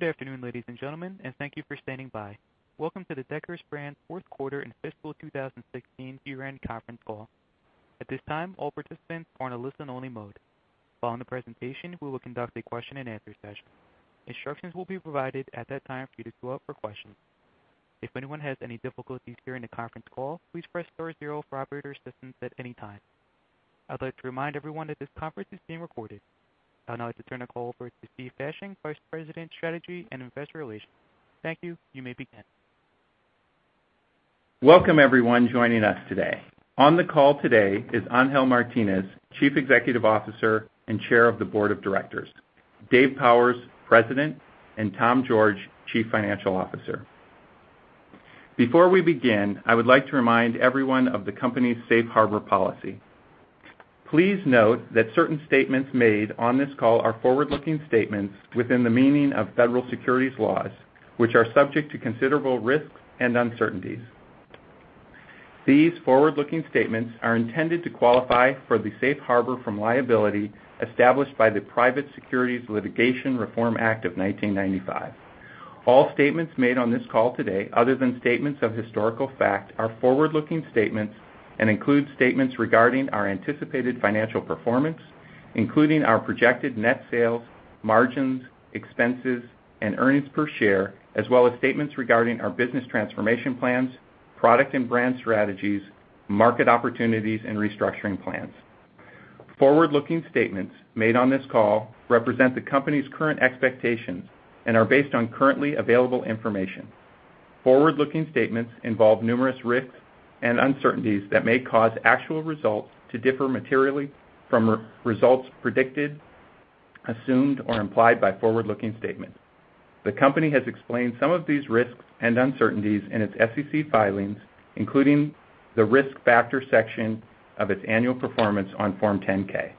Good afternoon, ladies and gentlemen, and thank you for standing by. Welcome to the Deckers Brands fourth quarter and fiscal 2016 year-end conference call. At this time, all participants are in a listen-only mode. Following the presentation, we will conduct a question and answer session. Instructions will be provided at that time for you to queue up for questions. If anyone has any difficulties during the conference call, please press star 0 for operator assistance at any time. I'd like to remind everyone that this conference is being recorded. I'd now like to turn the call over to Steven Fasching, Vice President, Strategy and Investor Relations. Thank you. You may begin. Welcome everyone joining us today. On the call today is Angel Martinez, Chief Executive Officer and Chair of the Board of Directors, Dave Powers, President, and Thomas George, Chief Financial Officer. Before we begin, I would like to remind everyone of the company's safe harbor policy. Please note that certain statements made on this call are forward-looking statements within the meaning of federal securities laws, which are subject to considerable risks and uncertainties. These forward-looking statements are intended to qualify for the safe harbor from liability established by the Private Securities Litigation Reform Act of 1995. All statements made on this call today, other than statements of historical fact, are forward-looking statements and include statements regarding our anticipated financial performance, including our projected net sales, margins, expenses, and earnings per share, as well as statements regarding our business transformation plans, product and brand strategies, market opportunities, and restructuring plans. Forward-looking statements made on this call represent the company's current expectations and are based on currently available information. Forward-looking statements involve numerous risks and uncertainties that may cause actual results to differ materially from results predicted, assumed, or implied by forward-looking statements. The company has explained some of these risks and uncertainties in its SEC filings, including the Risk Factors section of its annual performance on Form 10-K.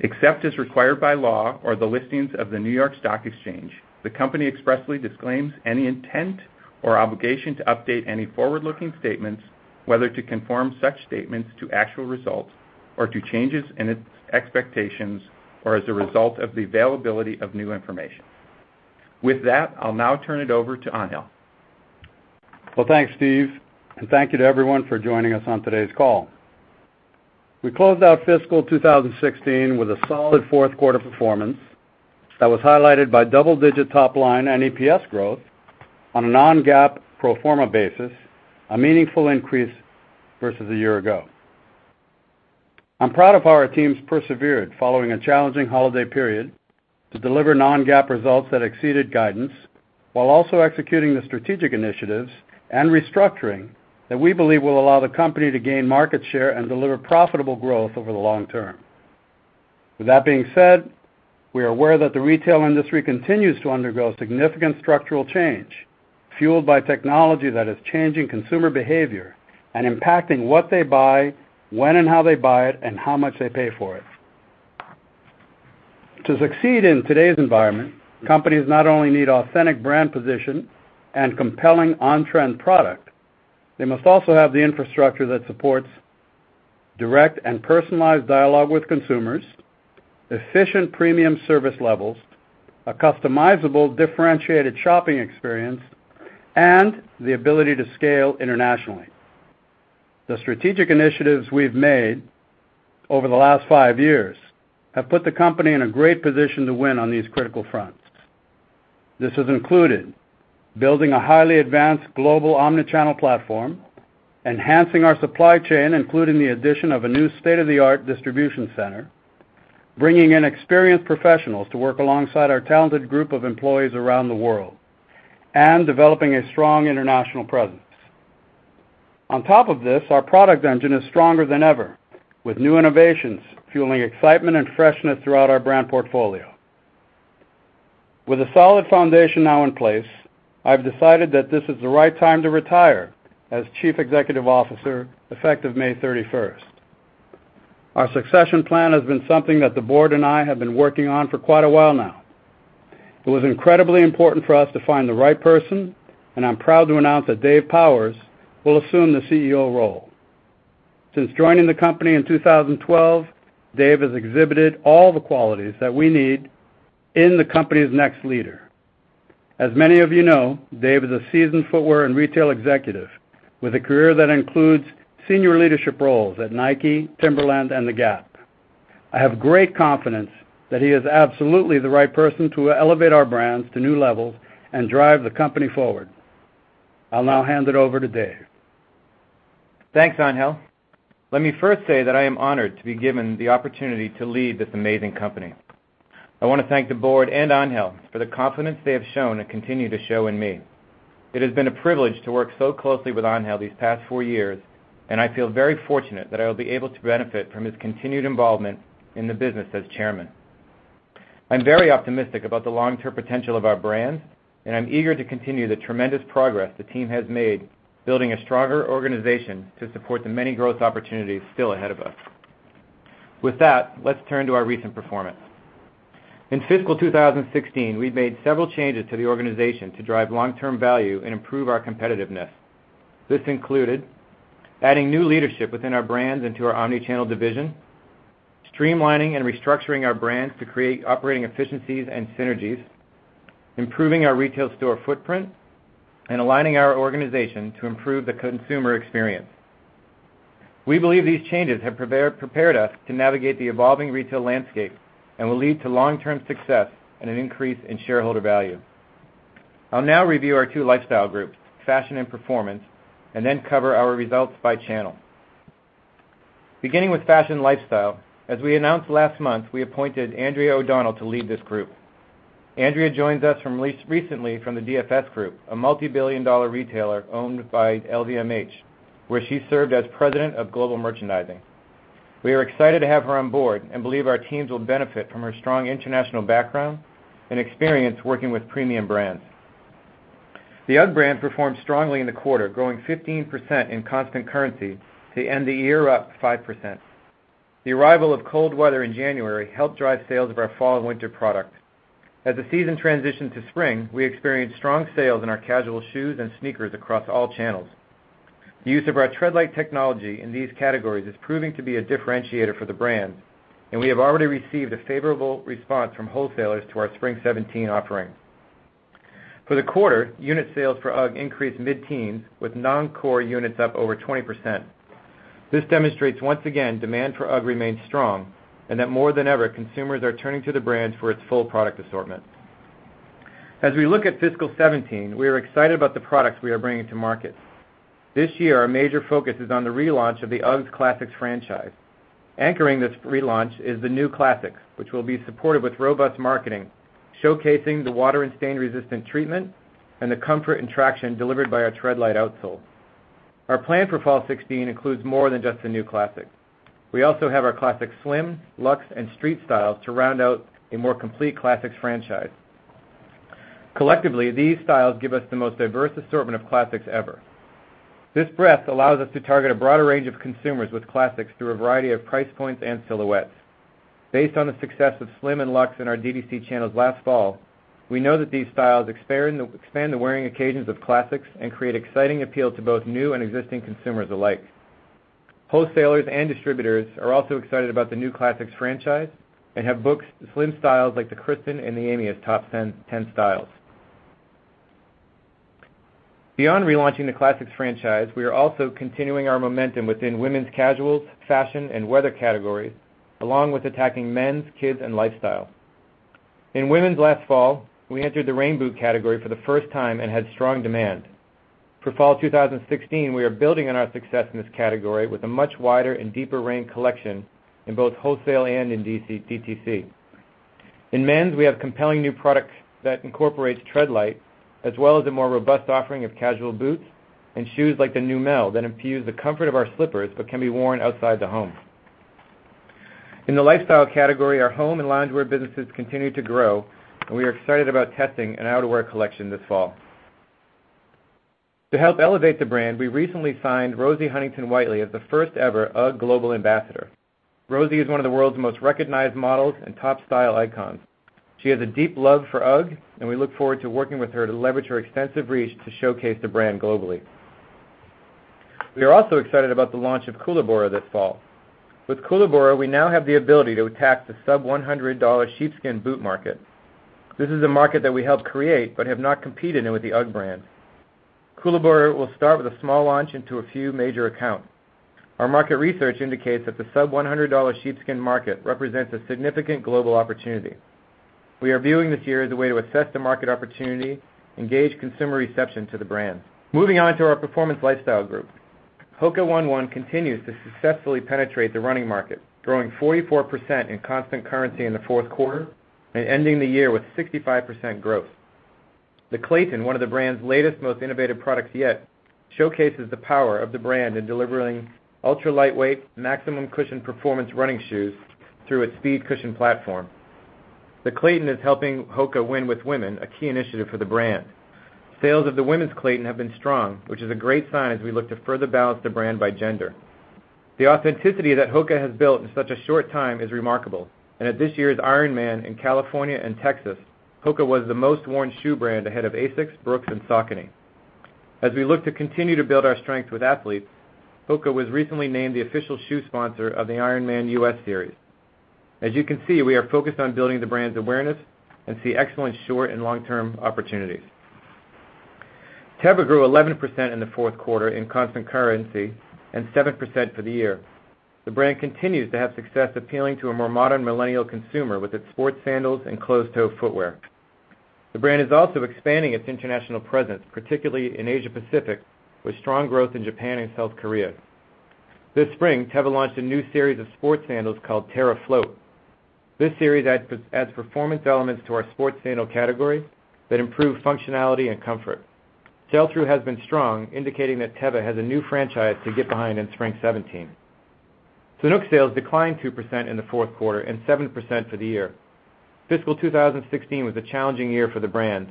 Except as required by law or the listings of the New York Stock Exchange, the company expressly disclaims any intent or obligation to update any forward-looking statements, whether to conform such statements to actual results, or to changes in its expectations, or as a result of the availability of new information. With that, I'll now turn it over to Angel. Well, thanks, Steve, and thank you to everyone for joining us on today's call. We closed out fiscal 2016 with a solid fourth quarter performance that was highlighted by double-digit top-line and EPS growth on a non-GAAP pro forma basis, a meaningful increase versus a year ago. I'm proud of how our teams persevered following a challenging holiday period to deliver non-GAAP results that exceeded guidance, while also executing the strategic initiatives and restructuring that we believe will allow the company to gain market share and deliver profitable growth over the long term. With that being said, we are aware that the retail industry continues to undergo significant structural change, fueled by technology that is changing consumer behavior and impacting what they buy, when and how they buy it, and how much they pay for it. To succeed in today's environment, companies not only need authentic brand position and compelling on-trend product, they must also have the infrastructure that supports direct and personalized dialogue with consumers, efficient premium service levels, a customizable, differentiated shopping experience, and the ability to scale internationally. The strategic initiatives we've made over the last five years have put the company in a great position to win on these critical fronts. This has included building a highly advanced global omni-channel platform; enhancing our supply chain, including the addition of a new state-of-the-art distribution center; bringing in experienced professionals to work alongside our talented group of employees around the world; and developing a strong international presence. On top of this, our product engine is stronger than ever, with new innovations fueling excitement and freshness throughout our brand portfolio. Thanks, Angel. Let me first say that I am honored to be given the opportunity to lead this amazing company. I want to thank the board and Angel for the confidence they have shown and continue to show in me. It has been a privilege to work so closely with Angel these past four years, and I feel very fortunate that I will be able to benefit from his continued involvement in the business as chairman. I'm very optimistic about the long-term potential of our brands, and I'm eager to continue the tremendous progress the team has made building a stronger organization to support the many growth opportunities still ahead of us. With that, let's turn to our recent performance. In fiscal 2016, we made several changes to the organization to drive long-term value and improve our competitiveness. This included adding new leadership within our brands into our omni-channel division. Streamlining and restructuring our brands to create operating efficiencies and synergies, improving our retail store footprint, and aligning our organization to improve the consumer experience. We believe these changes have prepared us to navigate the evolving retail landscape and will lead to long-term success and an increase in shareholder value. I'll now review our two lifestyle groups, fashion and performance, and then cover our results by channel. Beginning with fashion lifestyle, as we announced last month, we appointed Andrea O'Donnell to lead this group. Andrea joins us recently from the DFS Group, a multibillion-dollar retailer owned by LVMH, where she served as president of global merchandising. We are excited to have her on board and believe our teams will benefit from her strong international background and experience working with premium brands. The UGG brand performed strongly in the quarter, growing 15% in constant currency to end the year up 5%. The arrival of cold weather in January helped drive sales of our fall/winter product. As the season transitioned to spring, we experienced strong sales in our casual shoes and sneakers across all channels. The use of our Treadlite technology in these categories is proving to be a differentiator for the brand, and we have already received a favorable response from wholesalers to our spring 2017 offerings. For the quarter, unit sales for UGG increased mid-teens with non-core units up over 20%. This demonstrates once again demand for UGG remains strong and that more than ever, consumers are turning to the brand for its full product assortment. As we look at fiscal 2017, we are excited about the products we are bringing to market. This year, our major focus is on the relaunch of the UGG Classics franchise. Anchoring this relaunch is the New Classics, which will be supported with robust marketing, showcasing the water and stain-resistant treatment and the comfort and traction delivered by our Treadlite outsole. Our plan for fall 2016 includes more than just the New Classics. We also have our Classic Slim, Luxe, and street styles to round out a more complete Classics franchise. Collectively, these styles give us the most diverse assortment of classics ever. This breadth allows us to target a broader range of consumers with classics through a variety of price points and silhouettes. Based on the success of Slim and Luxe in our DTC channels last fall, we know that these styles expand the wearing occasions of classics and create exciting appeal to both new and existing consumers alike. Wholesalers and distributors are also excited about the New Classics franchise and have booked Slim styles like the Kristin and the Amie as top 10 styles. Beyond relaunching the Classics franchise, we are also continuing our momentum within women's casual, fashion, and weather categories, along with attacking men's, kids, and lifestyle. In women's last fall, we entered the rain boot category for the first time and had strong demand. For fall 2016, we are building on our success in this category with a much wider and deeper rain collection in both wholesale and in DTC. In men's, we have compelling new products that incorporate Treadlite, as well as a more robust offering of casual boots and shoes like the Neumel that infuse the comfort of our slippers but can be worn outside the home. In the lifestyle category, our home and loungewear businesses continue to grow, and we are excited about testing an outerwear collection this fall. To help elevate the brand, we recently signed Rosie Huntington-Whiteley as the first-ever UGG global ambassador. Rosie is one of the world's most recognized models and top style icons. She has a deep love for UGG, and we look forward to working with her to leverage her extensive reach to showcase the brand globally. We are also excited about the launch of Koolaburra this fall. With Koolaburra, we now have the ability to attack the sub-$100 sheepskin boot market. This is a market that we helped create but have not competed in with the UGG brand. Koolaburra will start with a small launch into a few major accounts. Our market research indicates that the sub-$100 sheepskin market represents a significant global opportunity. We are viewing this year as a way to assess the market opportunity, engage consumer reception to the brand. Moving on to our Performance Lifestyle Group. HOKA ONE ONE continues to successfully penetrate the running market, growing 44% in constant currency in the fourth quarter and ending the year with 65% growth. The Clayton, one of the brand's latest, most innovative products yet, showcases the power of the brand in delivering ultra-lightweight, maximum cushion performance running shoes through its speed cushion platform. The Clayton is helping HOKA win with women, a key initiative for the brand. Sales of the women's Clayton have been strong, which is a great sign as we look to further balance the brand by gender. The authenticity that HOKA has built in such a short time is remarkable, and at this year's Ironman in California and Texas, HOKA was the most worn shoe brand ahead of ASICS, Brooks, and Saucony. As we look to continue to build our strength with athletes, HOKA was recently named the official shoe sponsor of the Ironman US Series. As you can see, we are focused on building the brand's awareness and see excellent short- and long-term opportunities. Teva grew 11% in the fourth quarter in constant currency and 7% for the year. The brand continues to have success appealing to a more modern millennial consumer with its sports sandals and closed-toe footwear. The brand is also expanding its international presence, particularly in Asia-Pacific, with strong growth in Japan and South Korea. This spring, Teva launched a new series of sports sandals called Terra-Float. This series adds performance elements to our sports sandal category that improve functionality and comfort. Sell-through has been strong, indicating that Teva has a new franchise to get behind in spring 2017. Sanuk sales declined 2% in the fourth quarter and 7% for the year. Fiscal 2016 was a challenging year for the brand.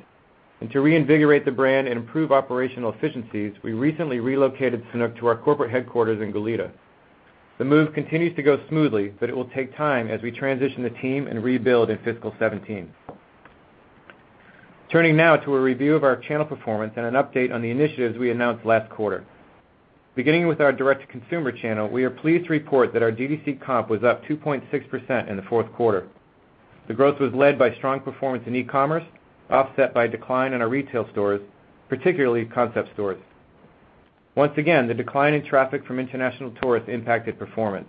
To reinvigorate the brand and improve operational efficiencies, we recently relocated Sanuk to our corporate headquarters in Goleta. The move continues to go smoothly, but it will take time as we transition the team and rebuild in fiscal 2017. Turning now to a review of our channel performance and an update on the initiatives we announced last quarter. Beginning with our direct-to-consumer channel, we are pleased to report that our DTC comp was up 2.6% in the fourth quarter. The growth was led by strong performance in e-commerce, offset by a decline in our retail stores, particularly concept stores. Once again, the decline in traffic from international tourists impacted performance.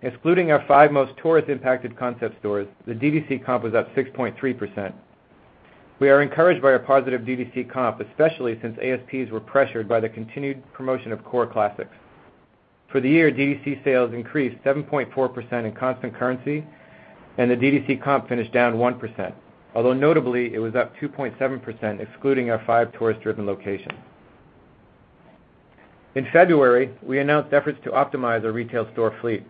Excluding our 5 most tourist-impacted concept stores, the DTC comp was up 6.3%. We are encouraged by a positive DTC comp, especially since ASPs were pressured by the continued promotion of core classics. For the year, DTC sales increased 7.4% in constant currency, and the DTC comp finished down 1%, although notably, it was up 2.7% excluding our 5 tourist-driven locations. In February, we announced efforts to optimize our retail store fleet.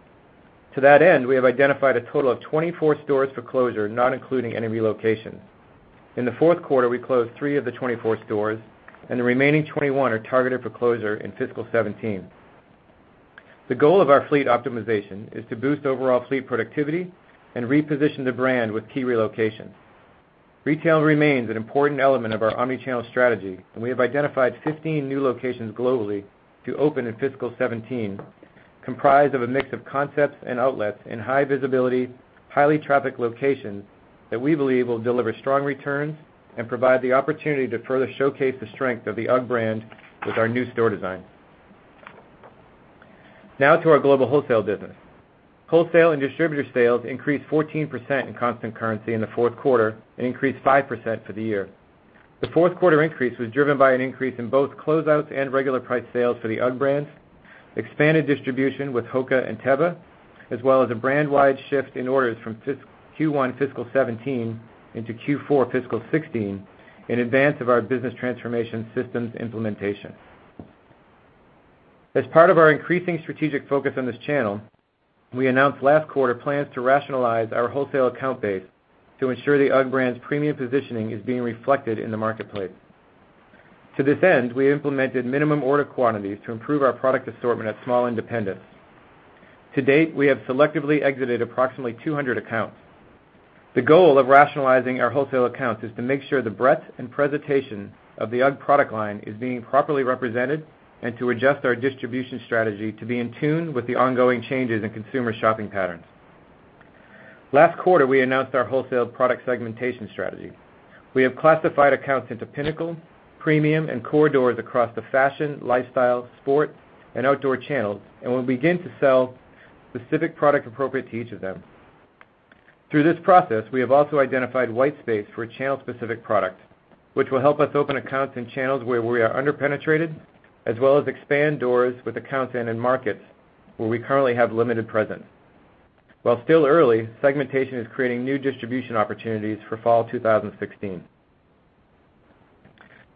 To that end, we have identified a total of 24 stores for closure, not including any relocations. In the fourth quarter, we closed 3 of the 24 stores, and the remaining 21 are targeted for closure in fiscal 2017. The goal of our fleet optimization is to boost overall fleet productivity and reposition the brand with key relocations. Retail remains an important element of our omni-channel strategy, and we have identified 15 new locations globally to open in fiscal 2017, comprised of a mix of concepts and outlets in high visibility, highly trafficked locations that we believe will deliver strong returns and provide the opportunity to further showcase the strength of the UGG brand with our new store design. Now to our global wholesale business. Wholesale and distributor sales increased 14% in constant currency in the fourth quarter and increased 5% for the year. The fourth quarter increase was driven by an increase in both closeouts and regular priced sales for the UGG brand, expanded distribution with HOKA and Teva, as well as a brand-wide shift in orders from Q1 fiscal 2017 into Q4 fiscal 2016 in advance of our business transformation systems implementation. As part of our increasing strategic focus on this channel, we announced last quarter plans to rationalize our wholesale account base to ensure the UGG brand's premium positioning is being reflected in the marketplace. To this end, we implemented minimum order quantities to improve our product assortment at small independents. To date, we have selectively exited approximately 200 accounts. The goal of rationalizing our wholesale accounts is to make sure the breadth and presentation of the UGG product line is being properly represented and to adjust our distribution strategy to be in tune with the ongoing changes in consumer shopping patterns. Last quarter, we announced our wholesale product segmentation strategy. We have classified accounts into pinnacle, premium, and core doors across the fashion, lifestyle, sport, and outdoor channels, and will begin to sell specific product appropriate to each of them. Through this process, we have also identified white space for channel-specific product, which will help us open accounts and channels where we are under-penetrated, as well as expand doors with accounts in end markets where we currently have limited presence. While still early, segmentation is creating new distribution opportunities for fall 2016.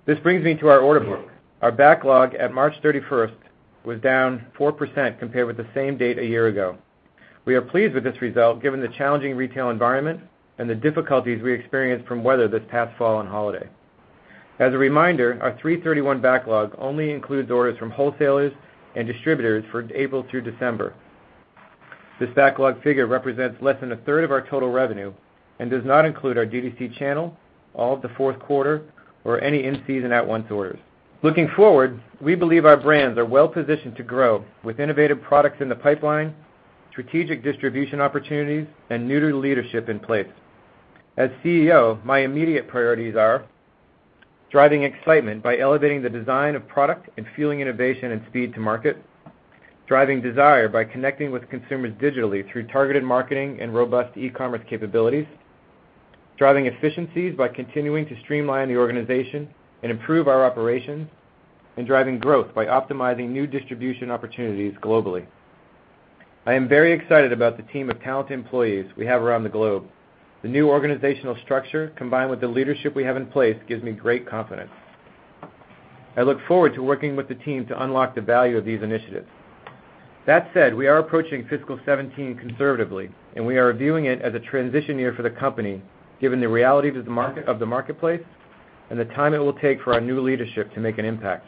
This brings me to our order book. Our backlog at March 31st was down 4% compared with the same date a year ago. We are pleased with this result, given the challenging retail environment and the difficulties we experienced from weather this past fall and holiday. As a reminder, our 3/31 backlog only includes orders from wholesalers and distributors for April through December. This backlog figure represents less than a third of our total revenue and does not include our DTC channel, all of the fourth quarter, or any in-season at-once orders. Looking forward, we believe our brands are well-positioned to grow with innovative products in the pipeline, strategic distribution opportunities, and new leadership in place. As CEO, my immediate priorities are driving excitement by elevating the design of product and fueling innovation and speed to market, driving desire by connecting with consumers digitally through targeted marketing and robust e-commerce capabilities, driving efficiencies by continuing to streamline the organization and improve our operations, and driving growth by optimizing new distribution opportunities globally. I am very excited about the team of talented employees we have around the globe. The new organizational structure, combined with the leadership we have in place, gives me great confidence. I look forward to working with the team to unlock the value of these initiatives. That said, we are approaching fiscal 2017 conservatively. We are viewing it as a transition year for the company, given the reality of the marketplace and the time it will take for our new leadership to make an impact.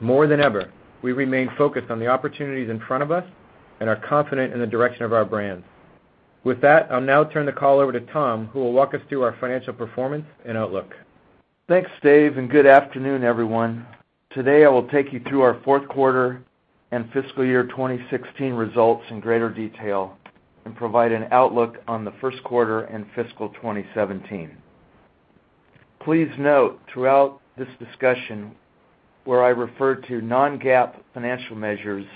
More than ever, we remain focused on the opportunities in front of us and are confident in the direction of our brands. With that, I'll now turn the call over to Tom, who will walk us through our financial performance and outlook. Thanks, Dave. Good afternoon, everyone. Today, I will take you through our fourth quarter and fiscal year 2016 results in greater detail and provide an outlook on the first quarter and fiscal 2017. Please note throughout this discussion, where I refer to non-GAAP financial measures,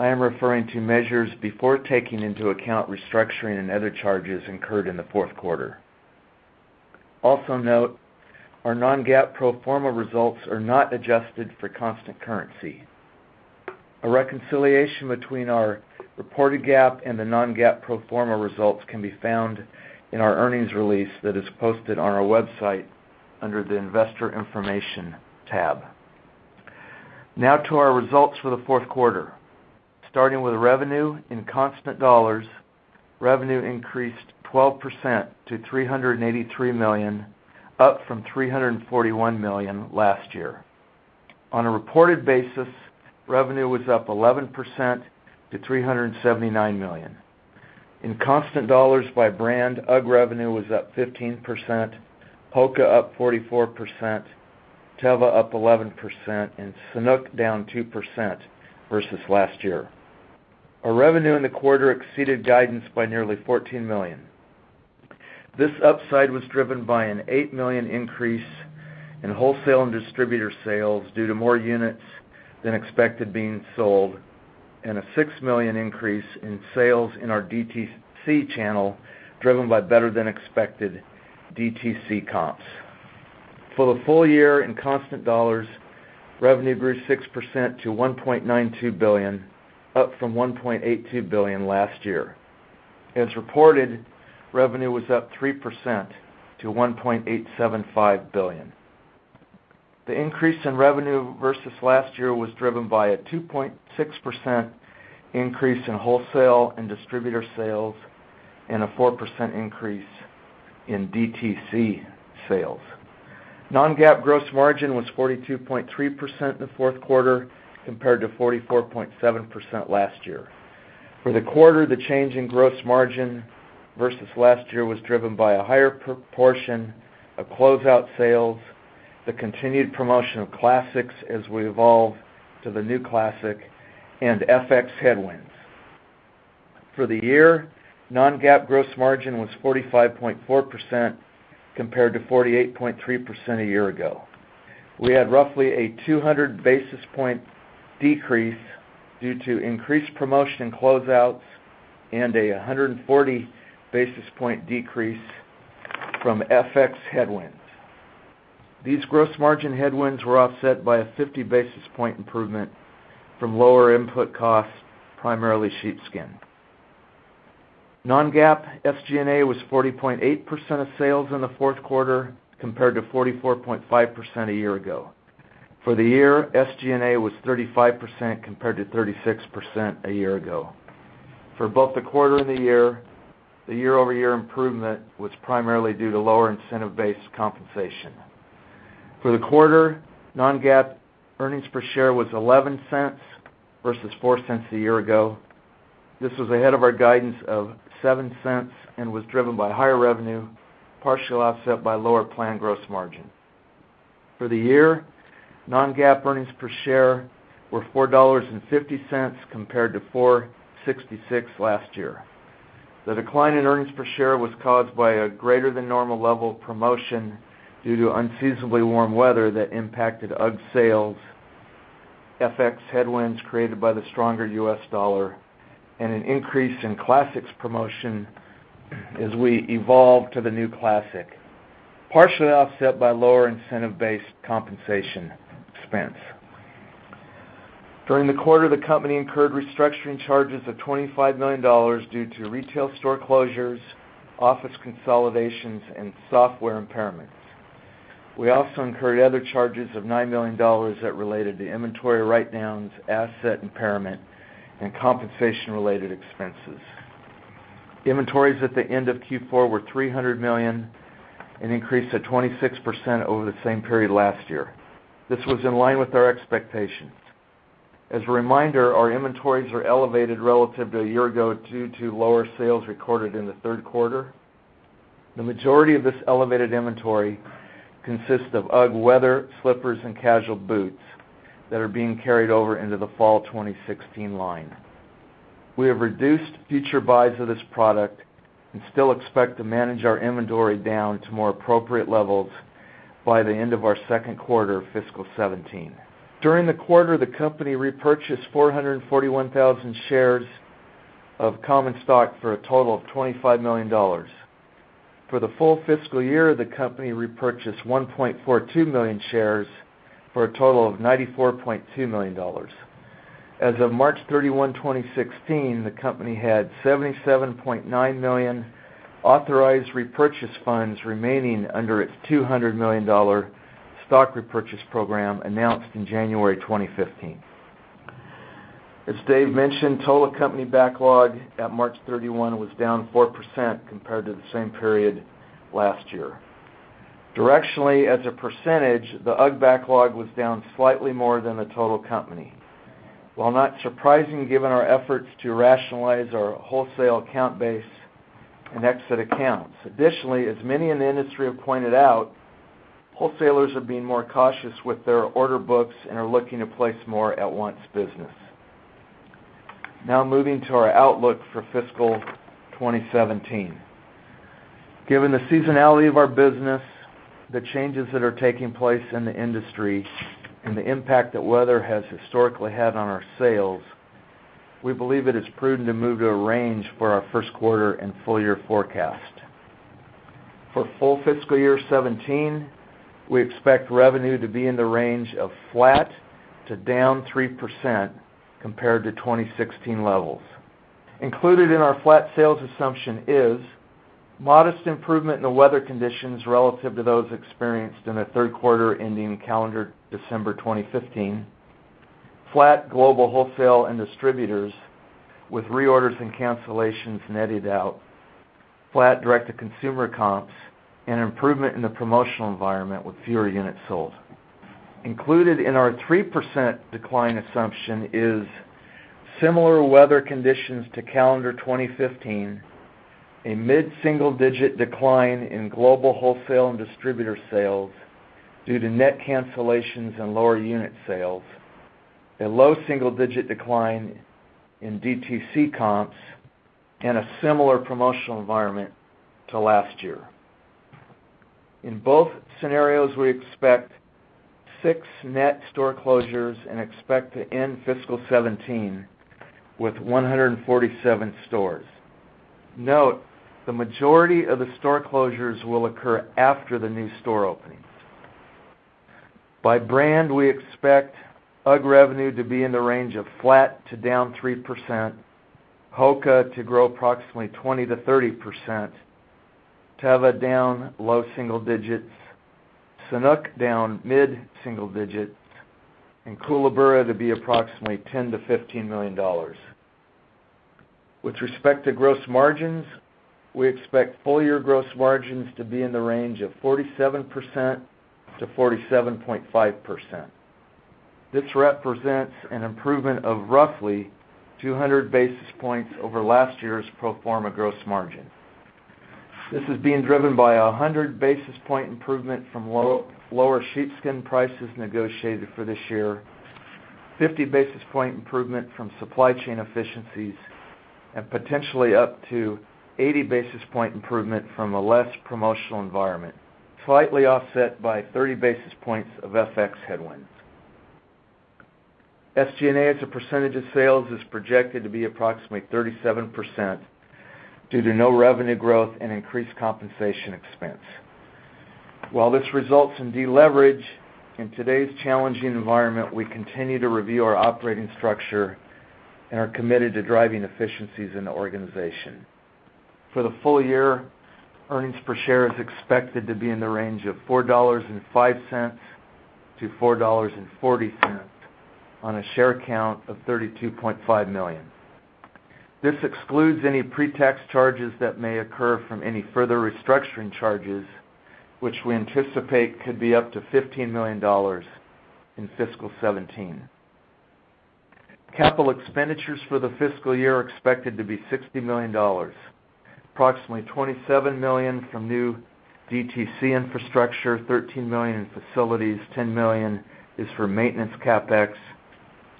I am referring to measures before taking into account restructuring and other charges incurred in the fourth quarter. Also note our non-GAAP pro forma results are not adjusted for constant currency. A reconciliation between our reported GAAP and the non-GAAP pro forma results can be found in our earnings release that is posted on our website under the Investor Information tab. Now to our results for the fourth quarter. Starting with revenue in constant dollars, revenue increased 12% to $383 million, up from $341 million last year. On a reported basis, revenue was up 11% to $379 million. In constant dollars by brand, UGG revenue was up 15%, HOKA up 44%, Teva up 11%, and Sanuk down 2% versus last year. Our revenue in the quarter exceeded guidance by nearly $14 million. This upside was driven by an $8 million increase in wholesale and distributor sales due to more units than expected being sold, and a $6 million increase in sales in our DTC channel, driven by better than expected DTC comps. For the full year, in constant dollars, revenue grew 6% to $1.92 billion, up from $1.82 billion last year. As reported, revenue was up 3% to $1.875 billion. The increase in revenue versus last year was driven by a 2.6% increase in wholesale and distributor sales and a 4% increase in DTC sales. Non-GAAP gross margin was 42.3% in the fourth quarter, compared to 44.7% last year. For the quarter, the change in gross margin versus last year was driven by a higher proportion of closeout sales, the continued promotion of classics as we evolve to the new classic, and FX headwinds. For the year, non-GAAP gross margin was 45.4%, compared to 48.3% a year ago. We had roughly a 200-basis point decrease due to increased promotion in closeouts and a 140-basis point decrease from FX headwinds. These gross margin headwinds were offset by a 50-basis point improvement from lower input costs, primarily sheepskin. Non-GAAP SG&A was 40.8% of sales in the fourth quarter, compared to 44.5% a year ago. For the year, SG&A was 35%, compared to 36% a year ago. For both the quarter and the year, the year-over-year improvement was primarily due to lower incentive-based compensation. For the quarter, non-GAAP earnings per share was $0.11 versus $0.04 a year ago. This was ahead of our guidance of $0.07 and was driven by higher revenue, partially offset by lower planned gross margin. For the year, non-GAAP earnings per share were $4.50 compared to $4.66 last year. The decline in earnings per share was caused by a greater than normal level of promotion due to unseasonably warm weather that impacted UGG sales, FX headwinds created by the stronger U.S. dollar, and an increase in classics promotion as we evolve to the new classic, partially offset by lower incentive-based compensation expense. During the quarter, the company incurred restructuring charges of $25 million due to retail store closures, office consolidations, and software impairments. We also incurred other charges of $9 million that related to inventory write-downs, asset impairment, and compensation-related expenses. Inventories at the end of Q4 were $300 million, an increase of 26% over the same period last year. This was in line with our expectations. As a reminder, our inventories are elevated relative to a year ago due to lower sales recorded in the third quarter. The majority of this elevated inventory consists of UGG weather slippers and casual boots that are being carried over into the fall 2016 line. We have reduced future buys of this product and still expect to manage our inventory down to more appropriate levels by the end of our second quarter of fiscal 2017. During the quarter, the company repurchased 441,000 shares of common stock for a total of $25 million. For the full fiscal year, the company repurchased 1.42 million shares for a total of $94.2 million. As of March 31, 2016, the company had $77.9 million authorized repurchase funds remaining under its $200 million stock repurchase program announced in January 2015. As Dave mentioned, total company backlog at March 31 was down 4% compared to the same period last year. Directionally, as a percentage, the UGG backlog was down slightly more than the total company. While not surprising, given our efforts to rationalize our wholesale account base and exit accounts. Additionally, as many in the industry have pointed out, wholesalers are being more cautious with their order books and are looking to place more at-once business. Moving to our outlook for fiscal 2017. Given the seasonality of our business, the changes that are taking place in the industry, and the impact that weather has historically had on our sales, we believe it is prudent to move to a range for our first quarter and full-year forecast. For full fiscal year 2017, we expect revenue to be in the range of flat to down 3% compared to 2016 levels. Included in our flat sales assumption is modest improvement in the weather conditions relative to those experienced in the third quarter ending calendar December 2015, flat global wholesale and distributors with reorders and cancellations netted out flat direct-to-consumer comps, and improvement in the promotional environment with fewer units sold. Included in our 3% decline assumption is similar weather conditions to calendar 2015, a mid-single-digit decline in global wholesale and distributor sales due to net cancellations and lower unit sales, a low single-digit decline in DTC comps, and a similar promotional environment to last year. In both scenarios, we expect six net store closures and expect to end fiscal 2017 with 147 stores. Note, the majority of the store closures will occur after the new store openings. By brand, we expect UGG revenue to be in the range of flat to down 3%, HOKA to grow approximately 20%-30%, Teva down low single digits, Sanuk down mid-single digits, and Koolaburra to be approximately $10 million-$15 million. With respect to gross margins, we expect full-year gross margins to be in the range of 47%-47.5%. This represents an improvement of roughly 200 basis points over last year's pro forma gross margin. This is being driven by a 100 basis point improvement from lower sheepskin prices negotiated for this year, 50 basis point improvement from supply chain efficiencies, and potentially up to 80 basis point improvement from a less promotional environment, slightly offset by 30 basis points of FX headwinds. SG&A as a percentage of sales is projected to be approximately 37% due to no revenue growth and increased compensation expense. While this results in deleverage, in today's challenging environment, we continue to review our operating structure and are committed to driving efficiencies in the organization. For the full year, earnings per share is expected to be in the range of $4.05-$4.40 on a share count of 32.5 million. This excludes any pre-tax charges that may occur from any further restructuring charges, which we anticipate could be up to $15 million in fiscal 2017. Capital expenditures for the fiscal year are expected to be $60 million. Approximately $27 million from new DTC infrastructure, $13 million in facilities, $10 million is for maintenance CapEx,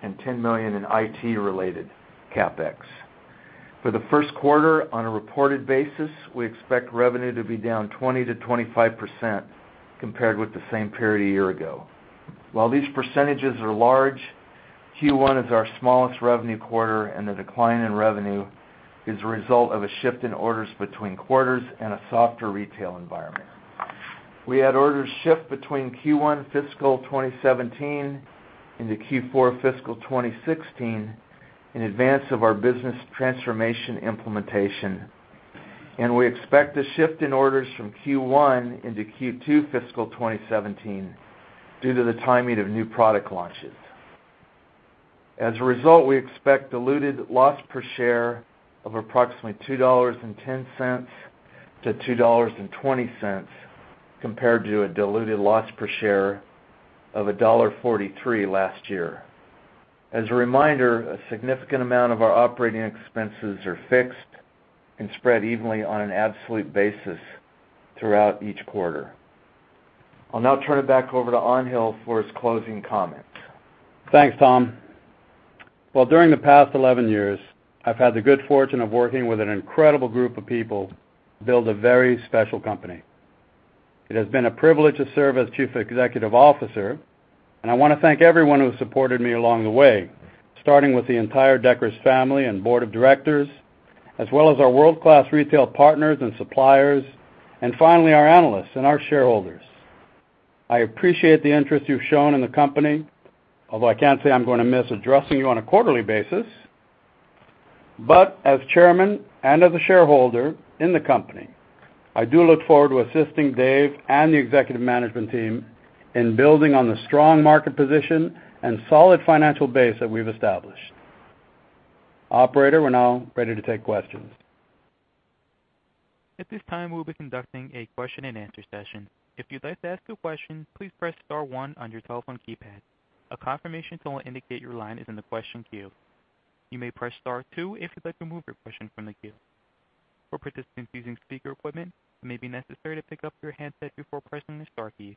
and $10 million in IT-related CapEx. For the first quarter on a reported basis, we expect revenue to be down 20%-25% compared with the same period a year ago. While these percentages are large, Q1 is our smallest revenue quarter, and the decline in revenue is a result of a shift in orders between quarters and a softer retail environment. We had orders shift between Q1 fiscal 2017 into Q4 fiscal 2016 in advance of our business transformation implementation, and we expect a shift in orders from Q1 into Q2 fiscal 2017 due to the timing of new product launches. As a result, we expect diluted loss per share of approximately $2.10-$2.20 compared to a diluted loss per share of $1.43 last year. As a reminder, a significant amount of our operating expenses are fixed and spread evenly on an absolute basis throughout each quarter. I'll now turn it back over to Angel for his closing comments. Thanks, Tom. Well, during the past 11 years, I've had the good fortune of working with an incredible group of people build a very special company. It has been a privilege to serve as Chief Executive Officer, and I want to thank everyone who has supported me along the way, starting with the entire Deckers family and board of directors, as well as our world-class retail partners and suppliers, and finally, our analysts and our shareholders. I appreciate the interest you've shown in the company, although I can't say I'm going to miss addressing you on a quarterly basis. As Chairman and as a shareholder in the company, I do look forward to assisting Dave and the executive management team in building on the strong market position and solid financial base that we've established. Operator, we're now ready to take questions. At this time, we'll be conducting a question and answer session. If you'd like to ask a question, please press star one on your telephone keypad. A confirmation tone will indicate your line is in the question queue. You may press star two if you'd like to remove your question from the queue. For participants using speaker equipment, it may be necessary to pick up your handset before pressing the star key.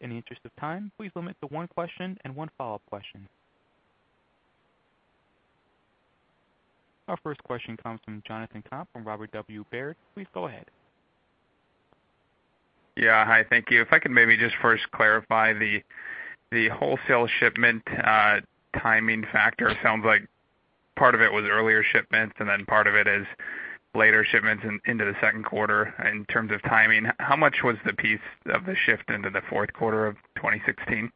In the interest of time, please limit to one question and one follow-up question. Our first question comes from Jonathan Komp from Robert W. Baird. Please go ahead. Yeah. Hi. Thank you. If I could maybe just first clarify the wholesale shipment timing factor. It sounds like part of it was earlier shipments, and then part of it is later shipments into the second quarter. In terms of timing, how much was the piece of the shift into the fourth quarter of 2016?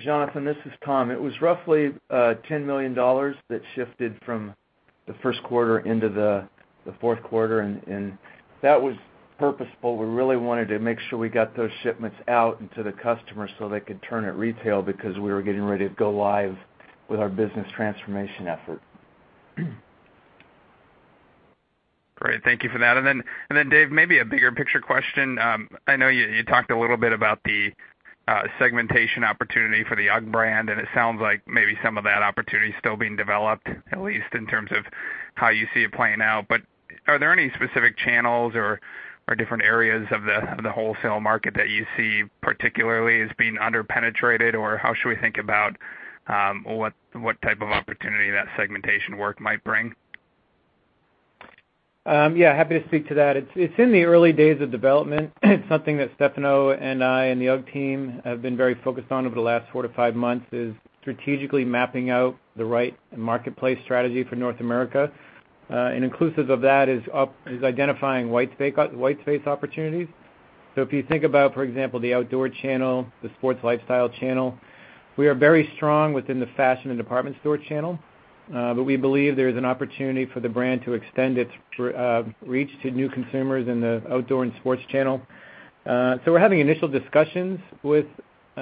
Jonathan, this is Tom. It was roughly $10 million that shifted from the first quarter into the fourth quarter. That was purposeful. We really wanted to make sure we got those shipments out and to the customer so they could turn at retail because we were getting ready to go live With our business transformation effort. Great. Thank you for that. Dave, maybe a bigger picture question. I know you talked a little bit about the segmentation opportunity for the UGG brand, and it sounds like maybe some of that opportunity is still being developed, at least in terms of how you see it playing out. Are there any specific channels or different areas of the wholesale market that you see particularly as being under-penetrated? How should we think about what type of opportunity that segmentation work might bring? Yeah, happy to speak to that. It's in the early days of development. Something that Stefano and I, and the UGG team have been very focused on over the last four to five months is strategically mapping out the right marketplace strategy for North America. Inclusive of that is identifying white space opportunities. If you think about, for example, the outdoor channel, the sports lifestyle channel, we are very strong within the fashion and department store channel. We believe there is an opportunity for the brand to extend its reach to new consumers in the outdoor and sports channel. We're having initial discussions with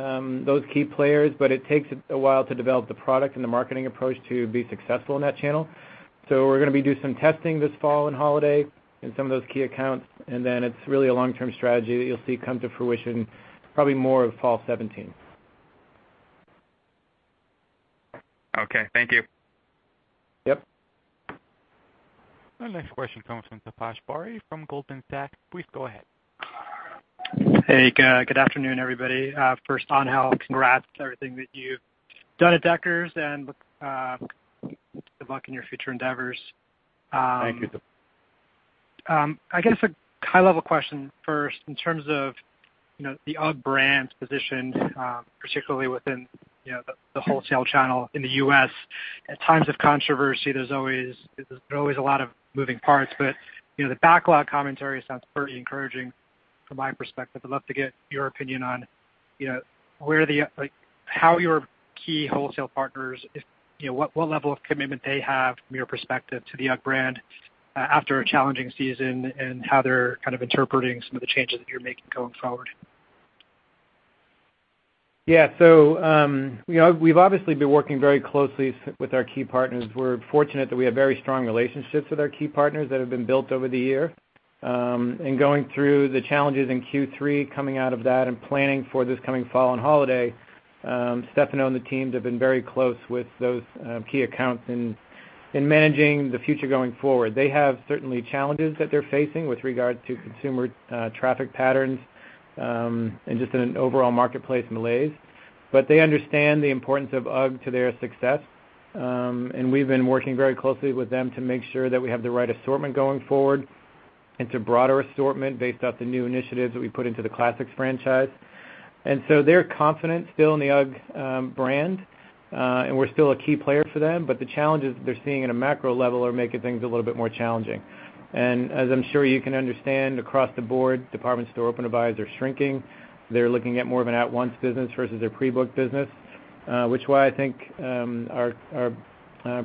those key players, but it takes a while to develop the product and the marketing approach to be successful in that channel. We're going to be doing some testing this fall and holiday in some of those key accounts, and then it's really a long-term strategy that you'll see come to fruition probably more of fall 2017. Okay. Thank you. Yep. Our next question comes from Taposh Bari from Goldman Sachs. Please go ahead. Hey, good afternoon, everybody. First, Angel, congrats on everything that you've done at Deckers and good luck in your future endeavors. Thank you. I guess a high-level question first in terms of the UGG brand's position, particularly within the wholesale channel in the U.S. At times of controversy, there's always a lot of moving parts, but the backlog commentary sounds pretty encouraging from my perspective. I'd love to get your opinion on how your key wholesale partners, what level of commitment they have from your perspective to the UGG brand after a challenging season, and how they're kind of interpreting some of the changes that you're making going forward. Yeah. We've obviously been working very closely with our key partners. We're fortunate that we have very strong relationships with our key partners that have been built over the year. Going through the challenges in Q3, coming out of that and planning for this coming fall and holiday, Stefano and the team have been very close with those key accounts in managing the future going forward. They have certainly challenges that they're facing with regards to consumer traffic patterns, and just in an overall marketplace malaise. They understand the importance of UGG to their success. We've been working very closely with them to make sure that we have the right assortment going forward. It's a broader assortment based off the new initiatives that we put into the Classics franchise. They're confident still in the UGG brand, and we're still a key player for them, but the challenges that they're seeing at a macro level are making things a little bit more challenging. As I'm sure you can understand across the board, department store open-to-buy are shrinking. They're looking at more of an at-once business versus their pre-book business, which is why I think our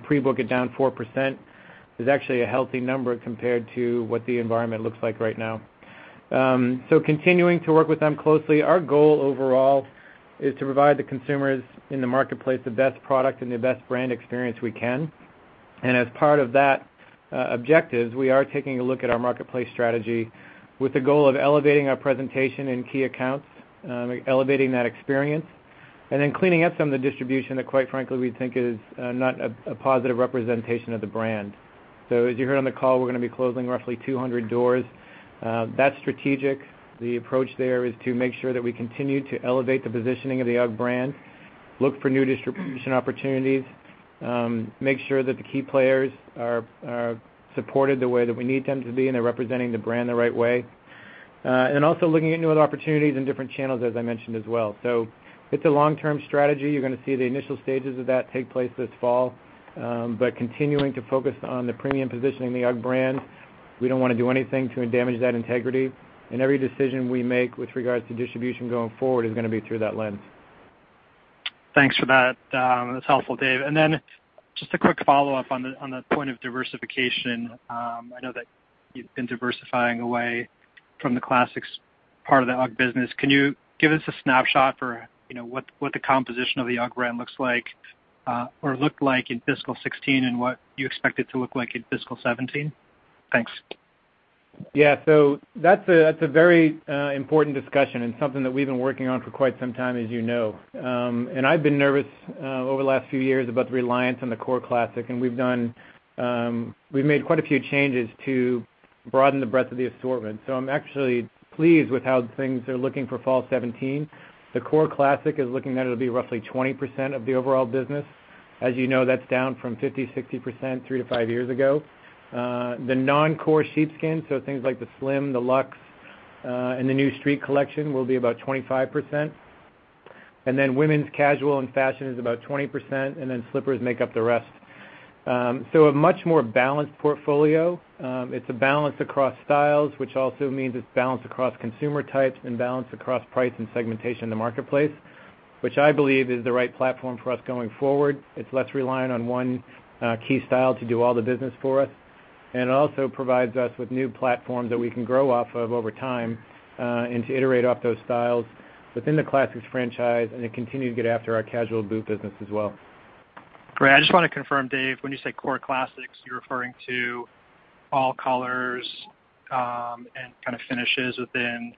pre-book at down 4% is actually a healthy number compared to what the environment looks like right now. Continuing to work with them closely. Our goal overall is to provide the consumers in the marketplace the best product and the best brand experience we can. As part of that objective, we are taking a look at our marketplace strategy with the goal of elevating our presentation in key accounts, elevating that experience, cleaning up some of the distribution that quite frankly, we think is not a positive representation of the brand. As you heard on the call, we're going to be closing roughly 200 doors. That's strategic. The approach there is to make sure that we continue to elevate the positioning of the UGG brand, look for new distribution opportunities, make sure that the key players are supported the way that we need them to be, and they're representing the brand the right way. Also looking at new opportunities in different channels, as I mentioned as well. It's a long-term strategy. You're going to see the initial stages of that take place this fall. Continuing to focus on the premium positioning of the UGG brand. We don't want to do anything to damage that integrity, every decision we make with regards to distribution going forward is going to be through that lens. Thanks for that. That's helpful, Dave. Just a quick follow-up on the point of diversification. I know that you've been diversifying away from the classics part of the UGG business. Can you give us a snapshot for what the composition of the UGG brand looks like, or looked like in fiscal 2016, and what you expect it to look like in fiscal 2017? Thanks. Yeah. That's a very important discussion something that we've been working on for quite some time, as you know. I've been nervous over the last few years about the reliance on the core classic, we've made quite a few changes to broaden the breadth of the assortment. I'm actually pleased with how things are looking for fall 2017. The core classic is looking that it'll be roughly 20% of the overall business. As you know, that's down from 50%-60% three to five years ago. The non-core sheepskin, so things like the Slim, the Luxe, and the new Street collection will be about 25%. Women's casual and fashion is about 20%, and then slippers make up the rest. A much more balanced portfolio. It's a balance across styles, which also means it's balanced across consumer types and balanced across price and segmentation in the marketplace, which I believe is the right platform for us going forward. It's less reliant on one key style to do all the business for us. It also provides us with new platforms that we can grow off of over time, and to iterate off those styles within the classics franchise, and then continue to get after our casual boot business as well. Great. I just want to confirm, Dave, when you say core classics, you're referring to all colors, and kind of finishes within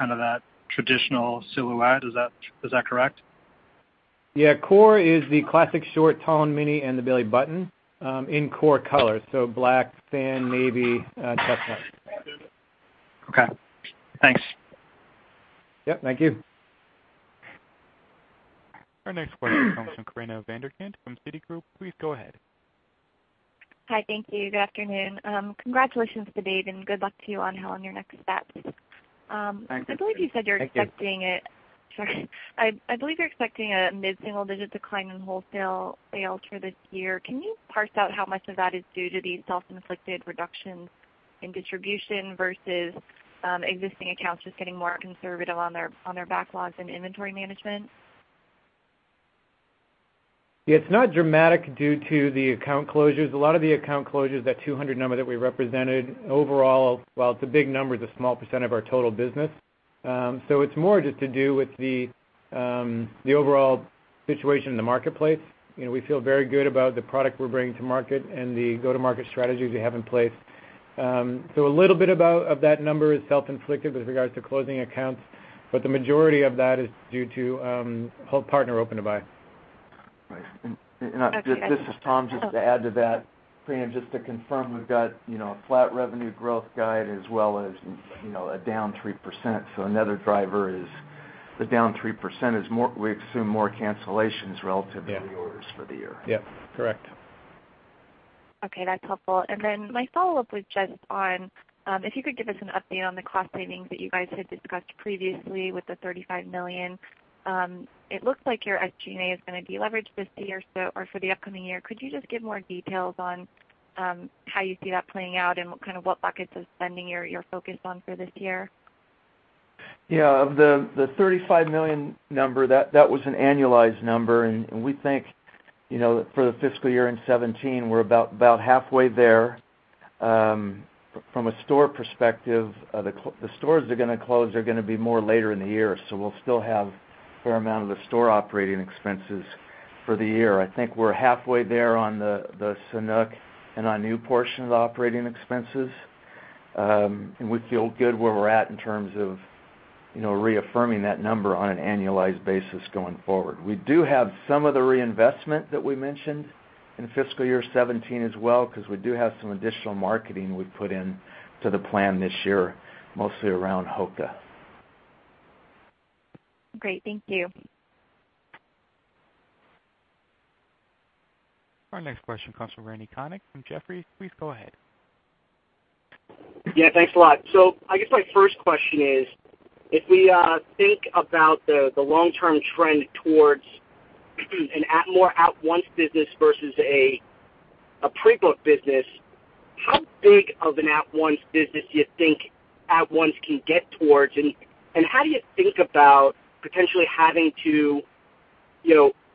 that traditional silhouette. Is that correct? Yeah. Core is the Classic short, tall, and mini, and the Bailey Button, in core colors. Black, sand, navy, chestnut. Okay. Thanks. Yep, thank you. Our next question comes from Corinna van der Ghinst from Citigroup. Please go ahead. Hi. Thank you. Good afternoon. Congratulations to Dave, and good luck to you on your next steps. Thanks. Sorry. I believe you're expecting a mid-single digit decline in wholesale sales for this year. Can you parse out how much of that is due to the self-inflicted reductions in distribution versus existing accounts just getting more conservative on their backlogs and inventory management? Yeah. It's not dramatic due to the account closures. A lot of the account closures, that 200 number that we represented overall, while it's a big number, it's a small % of our total business. It's more just to do with the overall situation in the marketplace. We feel very good about the product we're bringing to market and the go-to-market strategies we have in place. A little bit of that number is self-inflicted with regards to closing accounts, but the majority of that is due to whole partner open-to-buy. Right. Okay. This is Tom. Just to add to that, Corinna, just to confirm, we've got a flat revenue growth guide as well as a down 3%. Another driver is the down 3% is we assume more cancellations relative to reorders for the year. Yep. Correct. Okay. That's helpful. My follow-up was just on, if you could give us an update on the cost savings that you guys had discussed previously with the $35 million. It looks like your SG&A is going to deleverage this year or for the upcoming year. Could you just give more details on how you see that playing out and kind of what buckets of spending you're focused on for this year? Yeah. The $35 million number, that was an annualized number, and we think, for the fiscal year 2017, we're about halfway there. From a store perspective, the stores that are going to close are going to be more later in the year, so we'll still have a fair amount of the store operating expenses for the year. I think we're halfway there on the Sanuk and our new portion of the operating expenses. We feel good where we're at in terms of reaffirming that number on an annualized basis going forward. We do have some of the reinvestment that we mentioned in fiscal year 2017 as well, because we do have some additional marketing we've put in to the plan this year, mostly around HOKA. Great. Thank you. Our next question comes from Randal Konik from Jefferies. Please go ahead. Yeah, thanks a lot. I guess my first question is, if we think about the long-term trend towards a more at-once business versus a pre-book business, how big of an at-once business do you think at once can get towards? How do you think about potentially having to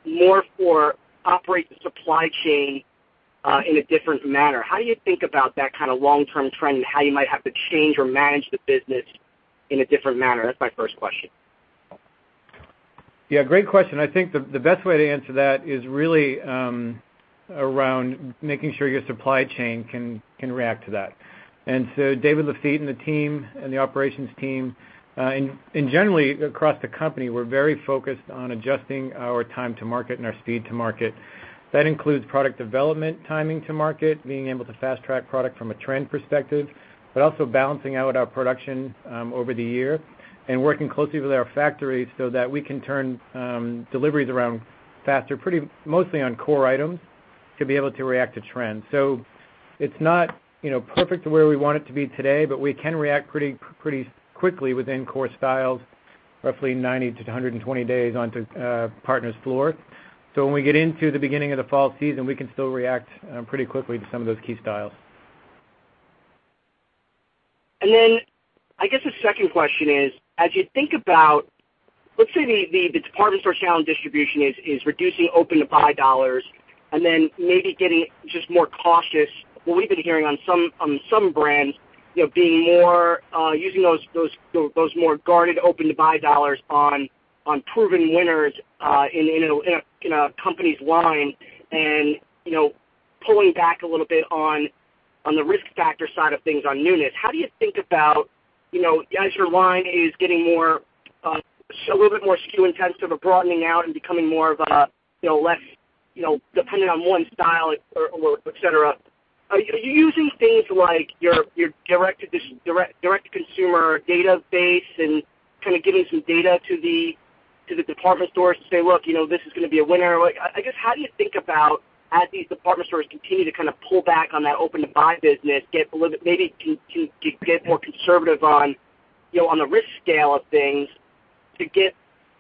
[more for operate] the supply chain, in a different manner? How do you think about that kind of long-term trend and how you might have to change or manage the business in a different manner? That's my first question. Yeah, great question. I think the best way to answer that is really around making sure your supply chain can react to that. David Lafitte and the team and the operations team, and generally across the company, we're very focused on adjusting our time to market and our speed to market. That includes product development, timing to market, being able to fast-track product from a trend perspective, but also balancing out our production over the year and working closely with our factories so that we can turn deliveries around faster, mostly on core items, to be able to react to trends. It's not perfect to where we want it to be today, but we can react pretty quickly within core styles, roughly 90-120 days onto a partner's floor. When we get into the beginning of the fall season, we can still react pretty quickly to some of those key styles. I guess the second question is, as you think about, let's say the department store channel distribution is reducing open-to-buy dollars maybe getting just more cautious. What we've been hearing on some brands, using those more guarded open-to-buy dollars on proven winners in a company's line and pulling back a little bit on the risk factor side of things on newness. How do you think about, as your line is getting a little bit more SKU intensive or broadening out and becoming more of less dependent on one style, et cetera. Are you using things like your direct-to-consumer database and kind of giving some data to the department stores to say, "Look, this is going to be a winner." I guess, how do you think about as these department stores continue to kind of pull back on that open-to-buy business, maybe get more conservative on the risk scale of things to get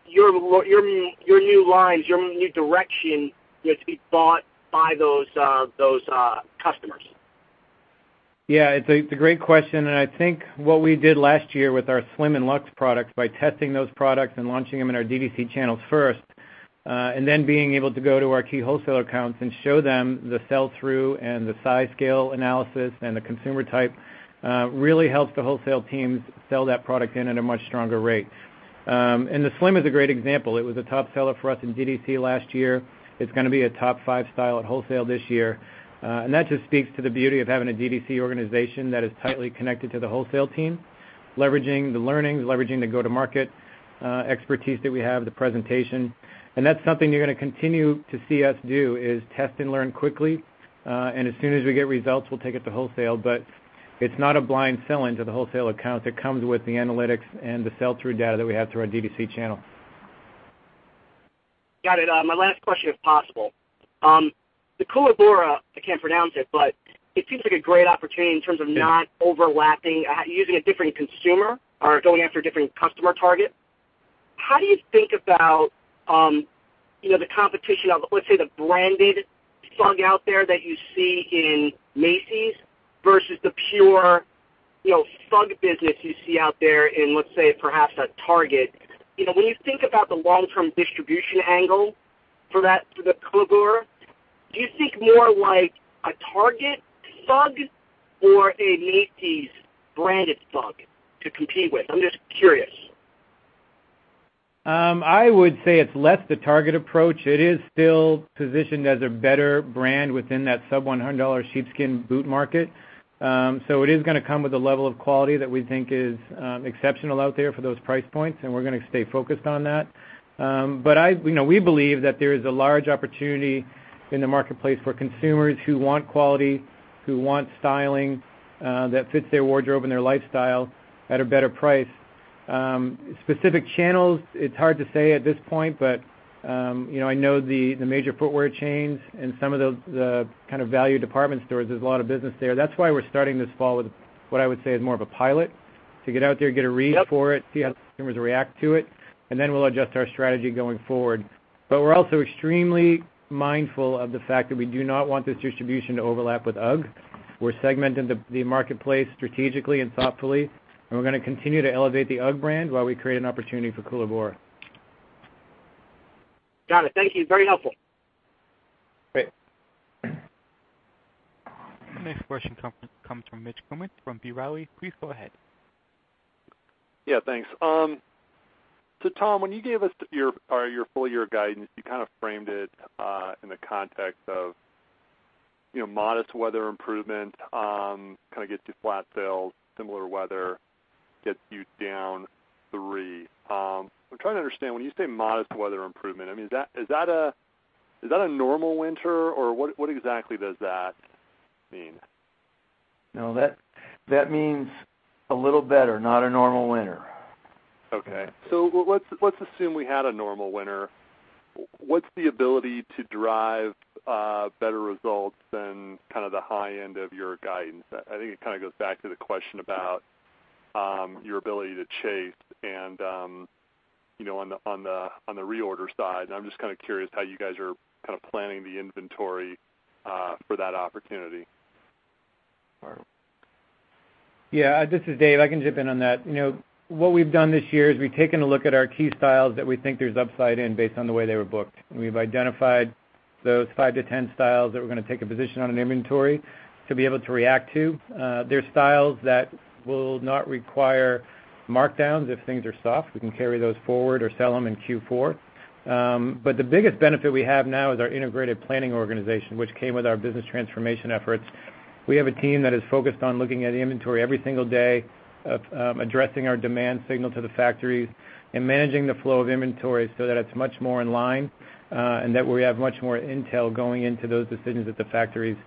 your new lines, your new direction, to be bought by those customers? It's a great question, I think what we did last year with our swim and luxe products, by testing those products and launching them in our D2C channels first Being able to go to our key wholesaler accounts and show them the sell-through and the size scale analysis and the consumer type really helps the wholesale teams sell that product in at a much stronger rate. The Slim is a great example. It was a top seller for us in DTC last year. It's going to be a top five style at wholesale this year. That just speaks to the beauty of having a DTC organization that is tightly connected to the wholesale team, leveraging the learnings, leveraging the go-to-market expertise that we have, the presentation. That's something you're going to continue to see us do, is test and learn quickly. As soon as we get results, we'll take it to wholesale. It's not a blind sell into the wholesale accounts. It comes with the analytics and the sell-through data that we have through our DTC channel. Got it. My last question, if possible. The Koolaburra, I can't pronounce it, but it seems like a great opportunity in terms of not overlapping, using a different consumer or going after a different customer target. How do you think about the competition of, let's say, the branded UGG out there that you see in Macy's versus the pure UGG business you see out there in, let's say, perhaps a Target. When you think about the long-term distribution angle for the Koolaburra, do you think more like a Target UGG or a Macy's branded UGG to compete with? I'm just curious. I would say it's less the Target approach. It is still positioned as a better brand within that sub-$100 sheepskin boot market. It is going to come with a level of quality that we think is exceptional out there for those price points, and we're going to stay focused on that. We believe that there is a large opportunity in the marketplace for consumers who want quality, who want styling that fits their wardrobe and their lifestyle at a better price. Specific channels, it's hard to say at this point, but I know the major footwear chains and some of the value department stores, there's a lot of business there. That's why we're starting this fall with what I would say is more of a pilot to get out there, get a read for it, see how customers react to it, we'll adjust our strategy going forward. We're also extremely mindful of the fact that we do not want this distribution to overlap with UGG. We're segmenting the marketplace strategically and thoughtfully, and we're going to continue to elevate the UGG brand while we create an opportunity for Koolaburra. Got it. Thank you. Very helpful. Great. The next question comes from Mitch Kummetz from B. Riley. Please go ahead. Thanks. Tom, when you gave us your full year guidance, you kind of framed it in the context of modest weather improvement, kind of gets you flat sales, similar weather gets you down three. I'm trying to understand, when you say modest weather improvement, is that a normal winter, or what exactly does that mean? No, that means a little better, not a normal winter. Okay. Let's assume we had a normal winter. What's the ability to drive better results than the high end of your guidance? I think it kind of goes back to the question about your ability to chase and on the reorder side. I'm just kind of curious how you guys are planning the inventory for that opportunity. Yeah. This is Dave, I can jump in on that. What we've done this year is we've taken a look at our key styles that we think there's upside in based on the way they were booked. We've identified those 5-10 styles that we're going to take a position on in inventory to be able to react to. They're styles that will not require markdowns if things are soft. We can carry those forward or sell them in Q4. The biggest benefit we have now is our integrated planning organization, which came with our business transformation efforts. We have a team that is focused on looking at inventory every single day, addressing our demand signal to the factories, and managing the flow of inventory so that it's much more in line and that we have much more intel going into those decisions at the factories.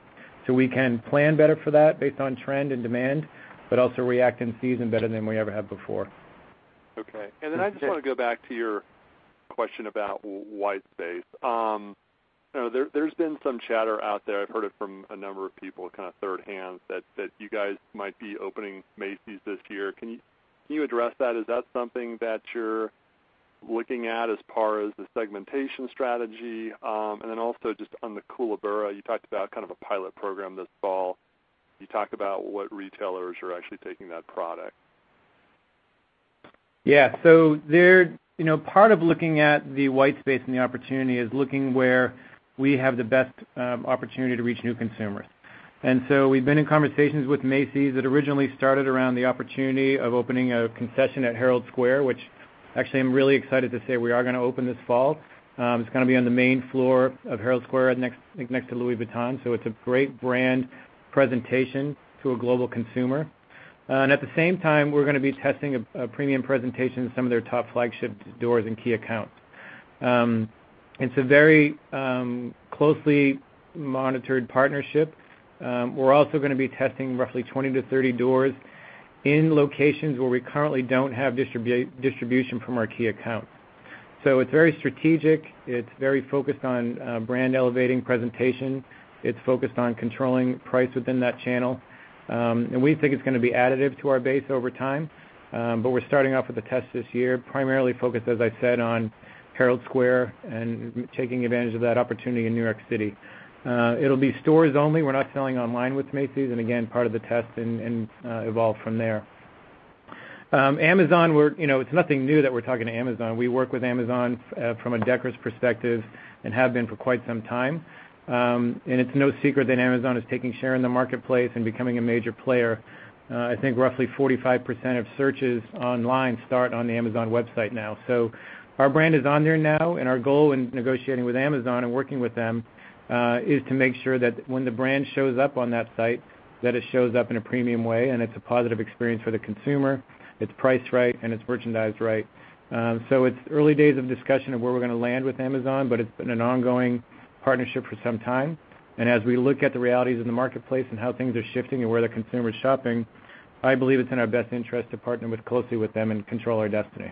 We can plan better for that based on trend and demand, but also react in season better than we ever have before. Okay. I just want to go back to your question about white space. There's been some chatter out there, I've heard it from a number of people kind of thirdhand, that you guys might be opening Macy's this year. Can you address that? Is that something that you're looking at as far as the segmentation strategy? Also just on the Koolaburra, you talked about kind of a pilot program this fall. Can you talk about what retailers are actually taking that product? Yeah. Part of looking at the white space and the opportunity is looking where we have the best opportunity to reach new consumers. We've been in conversations with Macy's that originally started around the opportunity of opening a concession at Herald Square, which actually I'm really excited to say we are going to open this fall. It's going to be on the main floor of Herald Square, I think next to Louis Vuitton. It's a great brand presentation to a global consumer. At the same time, we're going to be testing a premium presentation in some of their top flagship stores and key accounts. It's a very closely monitored partnership. We're also going to be testing roughly 20 to 30 doors in locations where we currently don't have distribution from our key accounts. It's very strategic. It's very focused on brand elevating presentation. It's focused on controlling price within that channel. We think it's going to be additive to our base over time. We're starting off with a test this year, primarily focused, as I said, on Herald Square and taking advantage of that opportunity in New York City. It'll be stores only. We're not selling online with Macy's, and again, part of the test and evolve from there. Amazon, it's nothing new that we're talking to Amazon. We work with Amazon from a Deckers perspective and have been for quite some time. It's no secret that Amazon is taking share in the marketplace and becoming a major player. I think roughly 45% of searches online start on the Amazon website now. Our brand is on there now. Our goal in negotiating with Amazon and working with them is to make sure that when the brand shows up on that site, that it shows up in a premium way, and it's a positive experience for the consumer. It's priced right, and it's merchandised right. It's early days of discussion of where we're going to land with Amazon, but it's been an ongoing partnership for some time. As we look at the realities in the marketplace and how things are shifting and where the consumer is shopping, I believe it's in our best interest to partner closely with them and control our destiny.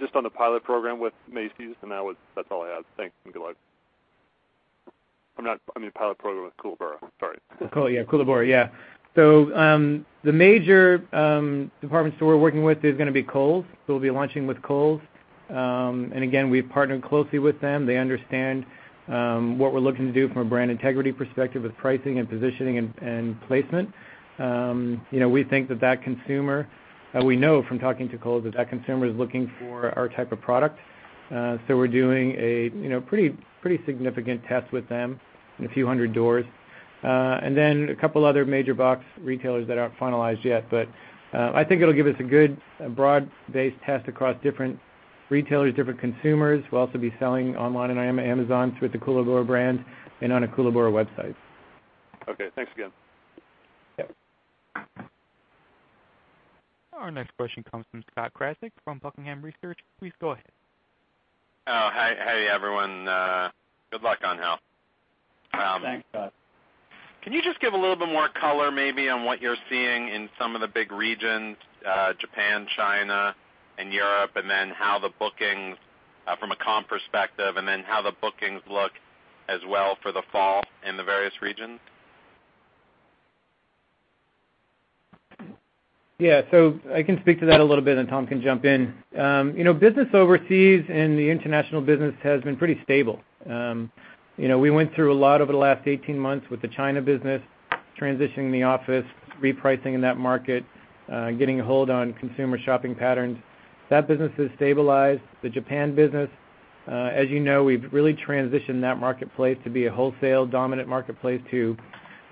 Just on the pilot program with Macy's. That's all I had. Thanks, and good luck. I mean, pilot program with Koolaburra. Sorry. Koolaburra. The major department store we're working with is going to be Kohl's. We'll be launching with Kohl's. Again, we've partnered closely with them. They understand what we're looking to do from a brand integrity perspective with pricing and positioning and placement. We know from talking to Kohl's that that consumer is looking for our type of product. We're doing a pretty significant test with them in a few hundred doors. A couple other major box retailers that aren't finalized yet. I think it'll give us a good broad-based test across different retailers, different consumers. We'll also be selling online on Amazon with the Koolaburra brand and on a Koolaburra website. Okay. Thanks again. Yeah. Our next question comes from Scott Krasik from Buckingham Research. Please go ahead. Oh, hi, everyone. Good luck, Angel. Thanks, Scott. Can you just give a little bit more color maybe on what you're seeing in some of the big regions, Japan, China, and Europe, from a comp perspective, and then how the bookings look as well for the fall in the various regions? Yeah. I can speak to that a little bit, and Tom can jump in. Business overseas in the international business has been pretty stable. We went through a lot over the last 18 months with the China business, transitioning the office, repricing in that market, getting a hold on consumer shopping patterns. That business has stabilized. The Japan business, as you know, we've really transitioned that marketplace to be a wholesale dominant marketplace to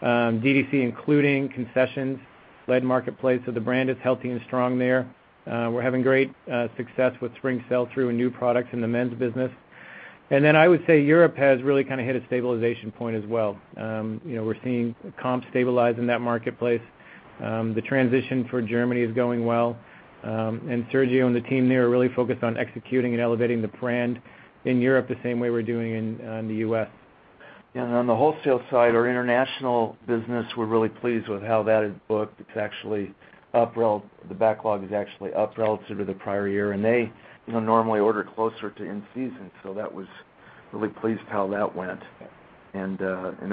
DTC, including concessions-led marketplace. The brand is healthy and strong there. We're having great success with spring sell-through and new products in the men's business. I would say Europe has really hit a stabilization point as well. We're seeing comps stabilize in that marketplace. The transition for Germany is going well. Sergio and the team there are really focused on executing and elevating the brand in Europe the same way we're doing in the U.S. On the wholesale side, our international business, we're really pleased with how that is booked. The backlog is actually up relative to the prior year, and they normally order closer to in-season, that was really pleased how that went.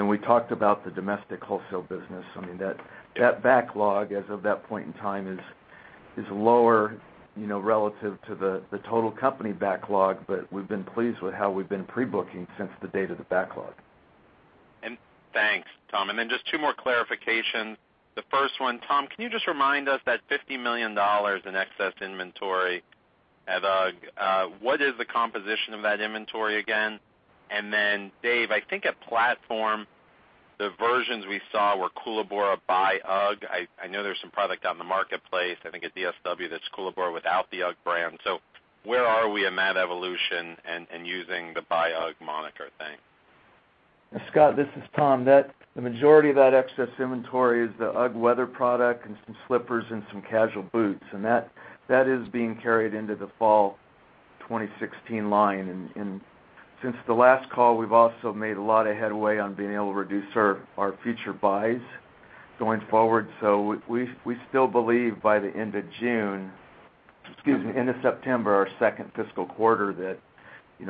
We talked about the domestic wholesale business. I mean, that backlog as of that point in time is lower, relative to the total company backlog. We've been pleased with how we've been pre-booking since the date of the backlog. Thanks, Tom. Just two more clarifications. The first one, Tom, can you just remind us that $50 million in excess inventory at UGG, what is the composition of that inventory again? Dave, I think at Platform, the versions we saw were Koolaburra by UGG. I know there's some product out in the marketplace, I think at DSW, that's Koolaburra without the UGG brand. Where are we in that evolution and using the by UGG moniker thing? Scott, this is Tom. The majority of that excess inventory is the UGG weather product and some slippers and some casual boots. That is being carried into the fall 2016 line. Since the last call, we've also made a lot of headway on being able to reduce our future buys going forward. We still believe by the end of September, our second fiscal quarter, that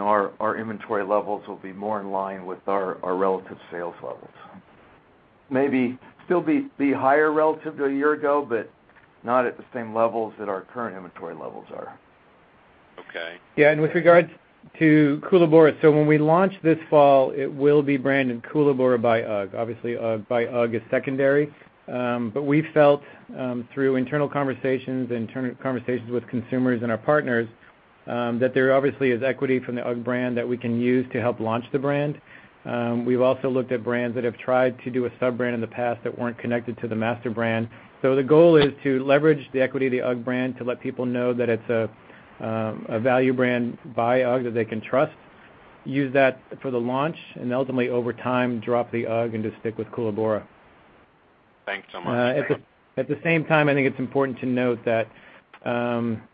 our inventory levels will be more in line with our relative sales levels. Maybe still be higher relative to a year ago, but not at the same levels that our current inventory levels are. Okay. With regards to Koolaburra, when we launch this fall, it will be branded Koolaburra by UGG. Obviously, by UGG is secondary. We felt, through internal conversations and conversations with consumers and our partners, that there obviously is equity from the UGG brand that we can use to help launch the brand. We've also looked at brands that have tried to do a sub-brand in the past that weren't connected to the master brand. The goal is to leverage the equity of the UGG brand to let people know that it's a value brand by UGG that they can trust, use that for the launch, and ultimately, over time, drop the UGG and just stick with Koolaburra. Thanks so much. At the same time, I think it's important to note that,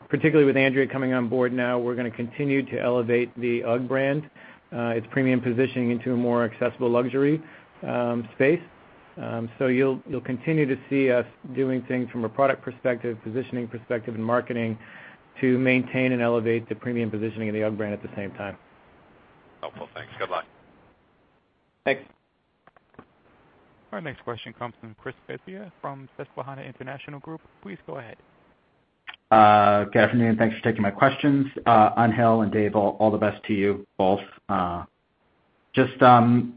particularly with Andrea coming on board now, we're going to continue to elevate the UGG brand, its premium positioning into a more accessible luxury space. You'll continue to see us doing things from a product perspective, positioning perspective, and marketing to maintain and elevate the premium positioning of the UGG brand at the same time. Helpful. Thanks. Good luck. Thanks. Our next question comes from Chris Svezia from Susquehanna International Group. Please go ahead. Good afternoon. Thanks for taking my questions. Angel and Dave, all the best to you both. Just, I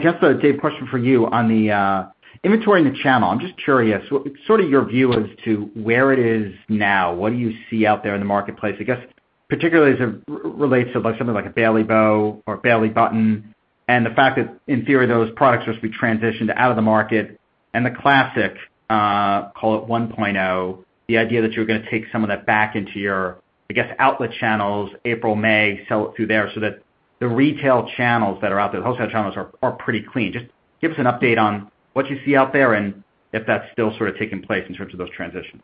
guess, Dave, question for you on the inventory in the channel. I'm just curious, sort of your view as to where it is now. What do you see out there in the marketplace? I guess particularly as it relates to something like a Bailey Bow or Bailey Button, and the fact that in theory, those products are supposed to be transitioned out of the market. The classic, call it 1.0, the idea that you were going to take some of that back into your, I guess, outlet channels April, May, sell it through there so that the retail channels that are out there, wholesale channels are pretty clean. Just give us an update on what you see out there, and if that's still sort of taking place in terms of those transitions.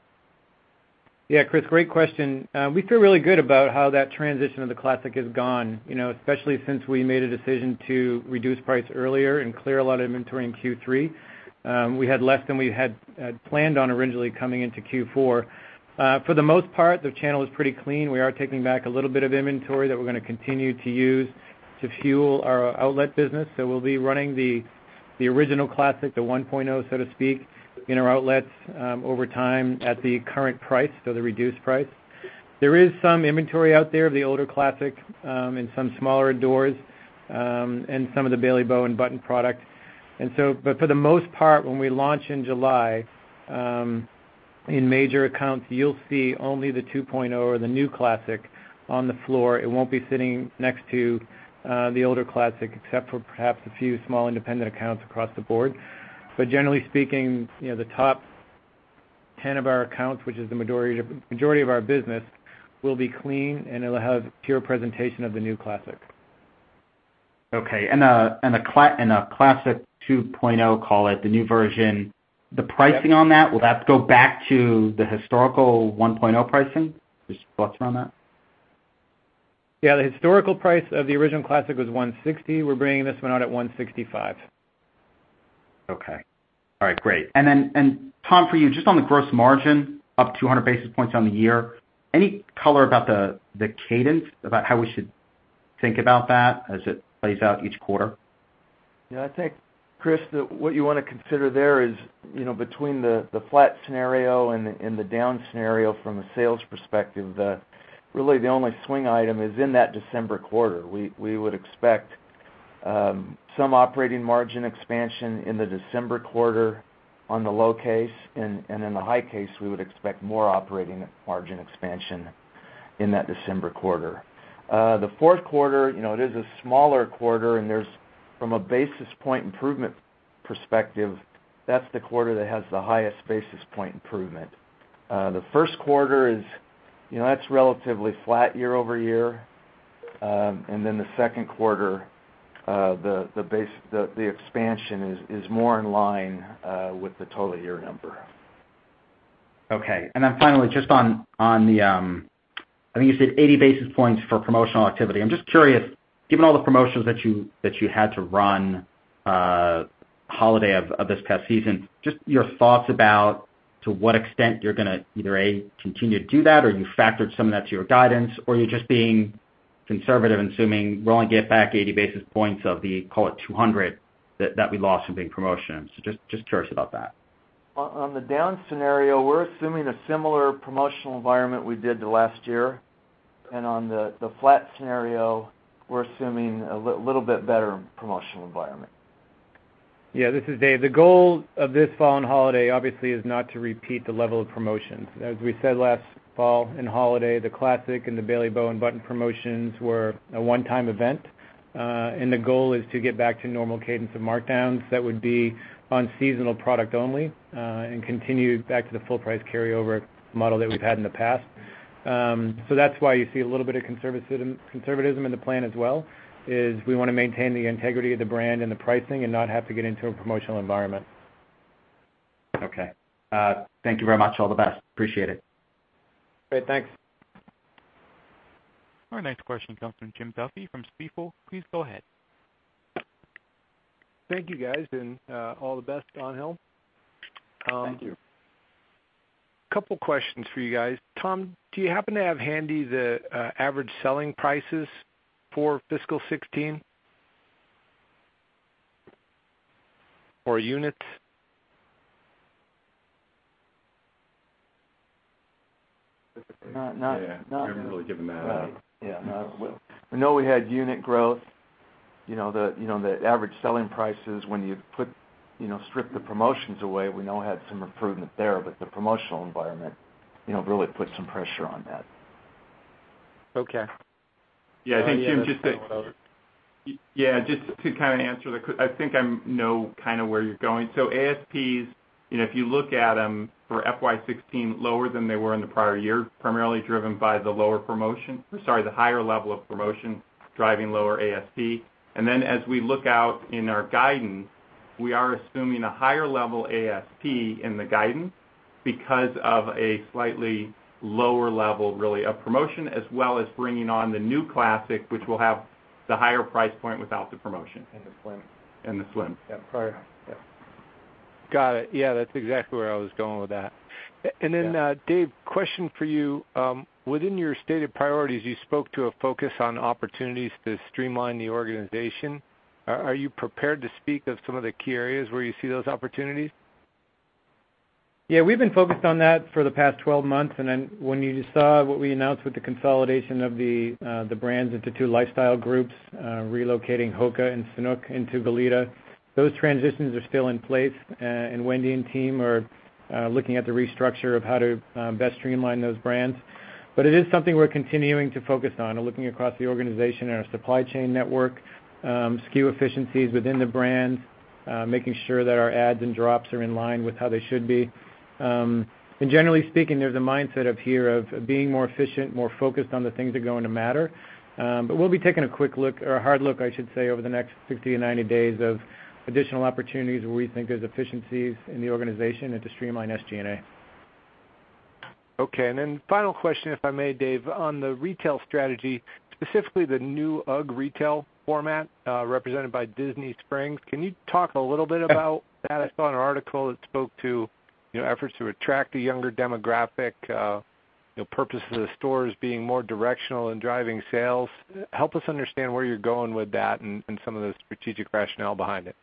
Chris, great question. We feel really good about how that transition of the classic has gone, especially since we made a decision to reduce price earlier and clear a lot of inventory in Q3. We had less than we had planned on originally coming into Q4. For the most part, the channel is pretty clean. We are taking back a little bit of inventory that we're going to continue to use to fuel our outlet business. We'll be running the original classic, the 1.0, so to speak, in our outlets over time at the current price, so the reduced price. There is some inventory out there of the older classic, in some smaller doors, and some of the Bailey Bow and Button product. For the most part, when we launch in July, in major accounts, you'll see only the 2.0 or the new classic on the floor. It won't be sitting next to the older classic except for perhaps a few small independent accounts across the board. Generally speaking, the top 10 of our accounts, which is the majority of our business, will be clean, and it'll have pure presentation of the new classic. Okay. A classic 2.0, call it, the new version, the pricing on that, will that go back to the historical 1.0 pricing? Just thoughts around that. The historical price of the original classic was $160. We're bringing this one out at $165. Okay. All right, great. Tom, for you, just on the gross margin, up 200 basis points on the year. Any color about the cadence, about how we should think about that as it plays out each quarter? Yeah. I think, Chris, that what you want to consider there is, between the flat scenario and the down scenario from a sales perspective, really the only swing item is in that December quarter. We would expect some operating margin expansion in the December quarter on the low case, and in the high case, we would expect more operating margin expansion in that December quarter. The fourth quarter, it is a smaller quarter, and from a basis point improvement perspective, that's the quarter that has the highest basis point improvement. The first quarter is relatively flat year-over-year. The second quarter, the expansion is more in line with the total year number. Okay. Finally, I think you said 80 basis points for promotional activity. I'm just curious, given all the promotions that you had to run holiday of this past season, just your thoughts about to what extent you're going to either, A, continue to do that, or you factored some of that to your guidance, or you're just being conservative in assuming we'll only get back 80 basis points of the, call it 200, that we lost in big promotions. Just curious about that. On the down scenario, we're assuming a similar promotional environment we did the last year. On the flat scenario, we're assuming a little bit better promotional environment. This is Dave. The goal of this fall and holiday obviously is not to repeat the level of promotions. As we said last fall and holiday, the classic and the Bailey Bow and Button promotions were a one-time event. The goal is to get back to normal cadence of markdowns that would be on seasonal product only, and continue back to the full price carryover model that we've had in the past. That's why you see a little bit of conservatism in the plan as well, is we want to maintain the integrity of the brand and the pricing and not have to get into a promotional environment. Thank you very much. All the best. Appreciate it. Great. Thanks. Our next question comes from Jim Duffy from Stifel. Please go ahead. Thank you, guys, and all the best on. [inaudible] Thank you. Couple questions for you guys. Tom, do you happen to have handy the average selling prices for fiscal 2016? Or units? Not really given that out. Yeah. We know we had unit growth. The Average Selling Prices when you strip the promotions away, we know had some improvement there, but the promotional environment really put some pressure on that. Okay. Yeah. I think, Jim. Oh, yeah. Just to kind of answer that, I think I know where you're going. ASPs, if you look at them for FY 2016, lower than they were in the prior year, primarily driven by the lower promotion. The higher level of promotion driving lower ASP. As we look out in our guidance, we are assuming a higher level ASP in the guidance because of a slightly lower level, really, of promotion, as well as bringing on the New Classics, which will have the higher price point without the promotion. The Slim. The Slim. Prior. Got it. Yeah, that's exactly where I was going with that. Yeah. Dave, question for you. Within your stated priorities, you spoke to a focus on opportunities to streamline the organization. Are you prepared to speak of some of the key areas where you see those opportunities? Yeah. We've been focused on that for the past 12 months. When you saw what we announced with the consolidation of the brands into two lifestyle groups, relocating HOKA and Sanuk into Goleta, those transitions are still in place. Wendy and team are looking at the restructure of how to best streamline those brands. It is something we're continuing to focus on and looking across the organization and our supply chain network, SKU efficiencies within the brands, making sure that our adds and drops are in line with how they should be. Generally speaking, there's a mindset up here of being more efficient, more focused on the things that are going to matter. We'll be taking a hard look, I should say, over the next 60 to 90 days of additional opportunities where we think there's efficiencies in the organization and to streamline SG&A. Okay. Final question, if I may, Dave. On the retail strategy, specifically the new UGG retail format, represented by Disney Springs, can you talk a little bit about that? I saw an article that spoke to efforts to attract a younger demographic, purpose of the stores being more directional in driving sales. Help us understand where you are going with that and some of the strategic rationale behind it.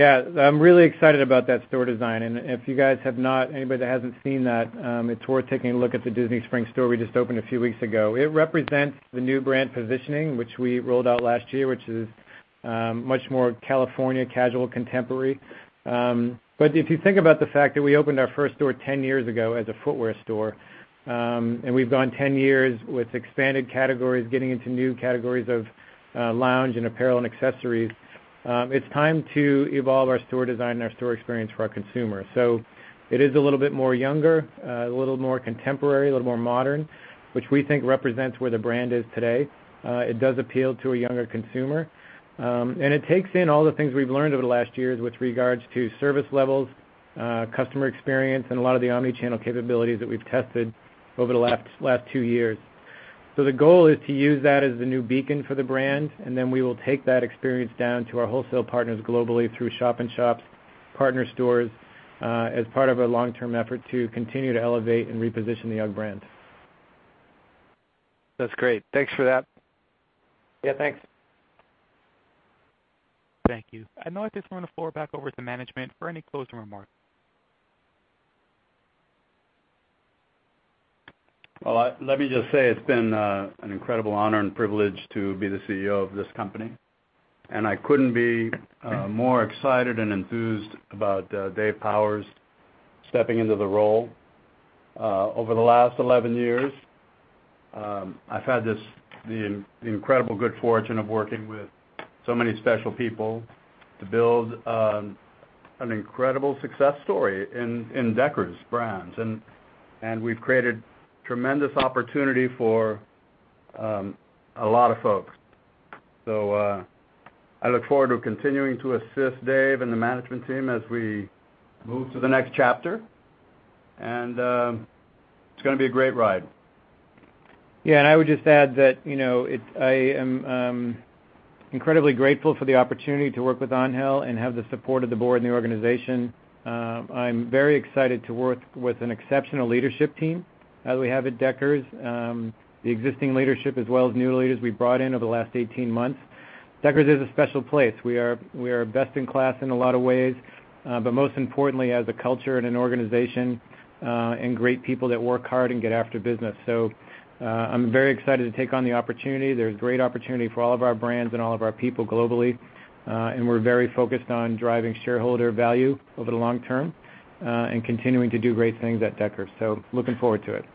I'm really excited about that store design. If anybody that hasn't seen that, it's worth taking a look at the Disney Springs store we just opened a few weeks ago. It represents the new brand positioning, which we rolled out last year, which is much more California casual contemporary. If you think about the fact that we opened our first store 10 years ago as a footwear store, we've gone 10 years with expanded categories, getting into new categories of lounge and apparel and accessories, it's time to evolve our store design and our store experience for our consumer. It is a little bit more younger, a little more contemporary, a little more modern, which we think represents where the brand is today. It does appeal to a younger consumer. It takes in all the things we've learned over the last years with regards to service levels, customer experience, a lot of the omni-channel capabilities that we've tested over the last two years. The goal is to use that as the new beacon for the brand, then we will take that experience down to our wholesale partners globally through shop in shops, partner stores, as part of a long-term effort to continue to elevate and reposition the UGG brand. That's great. Thanks for that. Thanks. Thank you. I'd now at this point turn the floor back over to management for any closing remarks. Well, let me just say, it's been an incredible honor and privilege to be the CEO of this company, and I couldn't be more excited and enthused about Dave Powers stepping into the role. Over the last 11 years, I've had the incredible good fortune of working with so many special people to build an incredible success story in Deckers Brands. We've created tremendous opportunity for a lot of folks. I look forward to continuing to assist Dave and the management team as we move to the next chapter. It's going to be a great ride. Yeah. I would just add that I am incredibly grateful for the opportunity to work with Angel and have the support of the board and the organization. I'm very excited to work with an exceptional leadership team as we have at Deckers. The existing leadership as well as new leaders we've brought in over the last 18 months. Deckers is a special place. We are best in class in a lot of ways, but most importantly as a culture and an organization, and great people that work hard and get after business. I'm very excited to take on the opportunity. There's great opportunity for all of our brands and all of our people globally. We're very focused on driving shareholder value over the long term, and continuing to do great things at Deckers. Looking forward to it.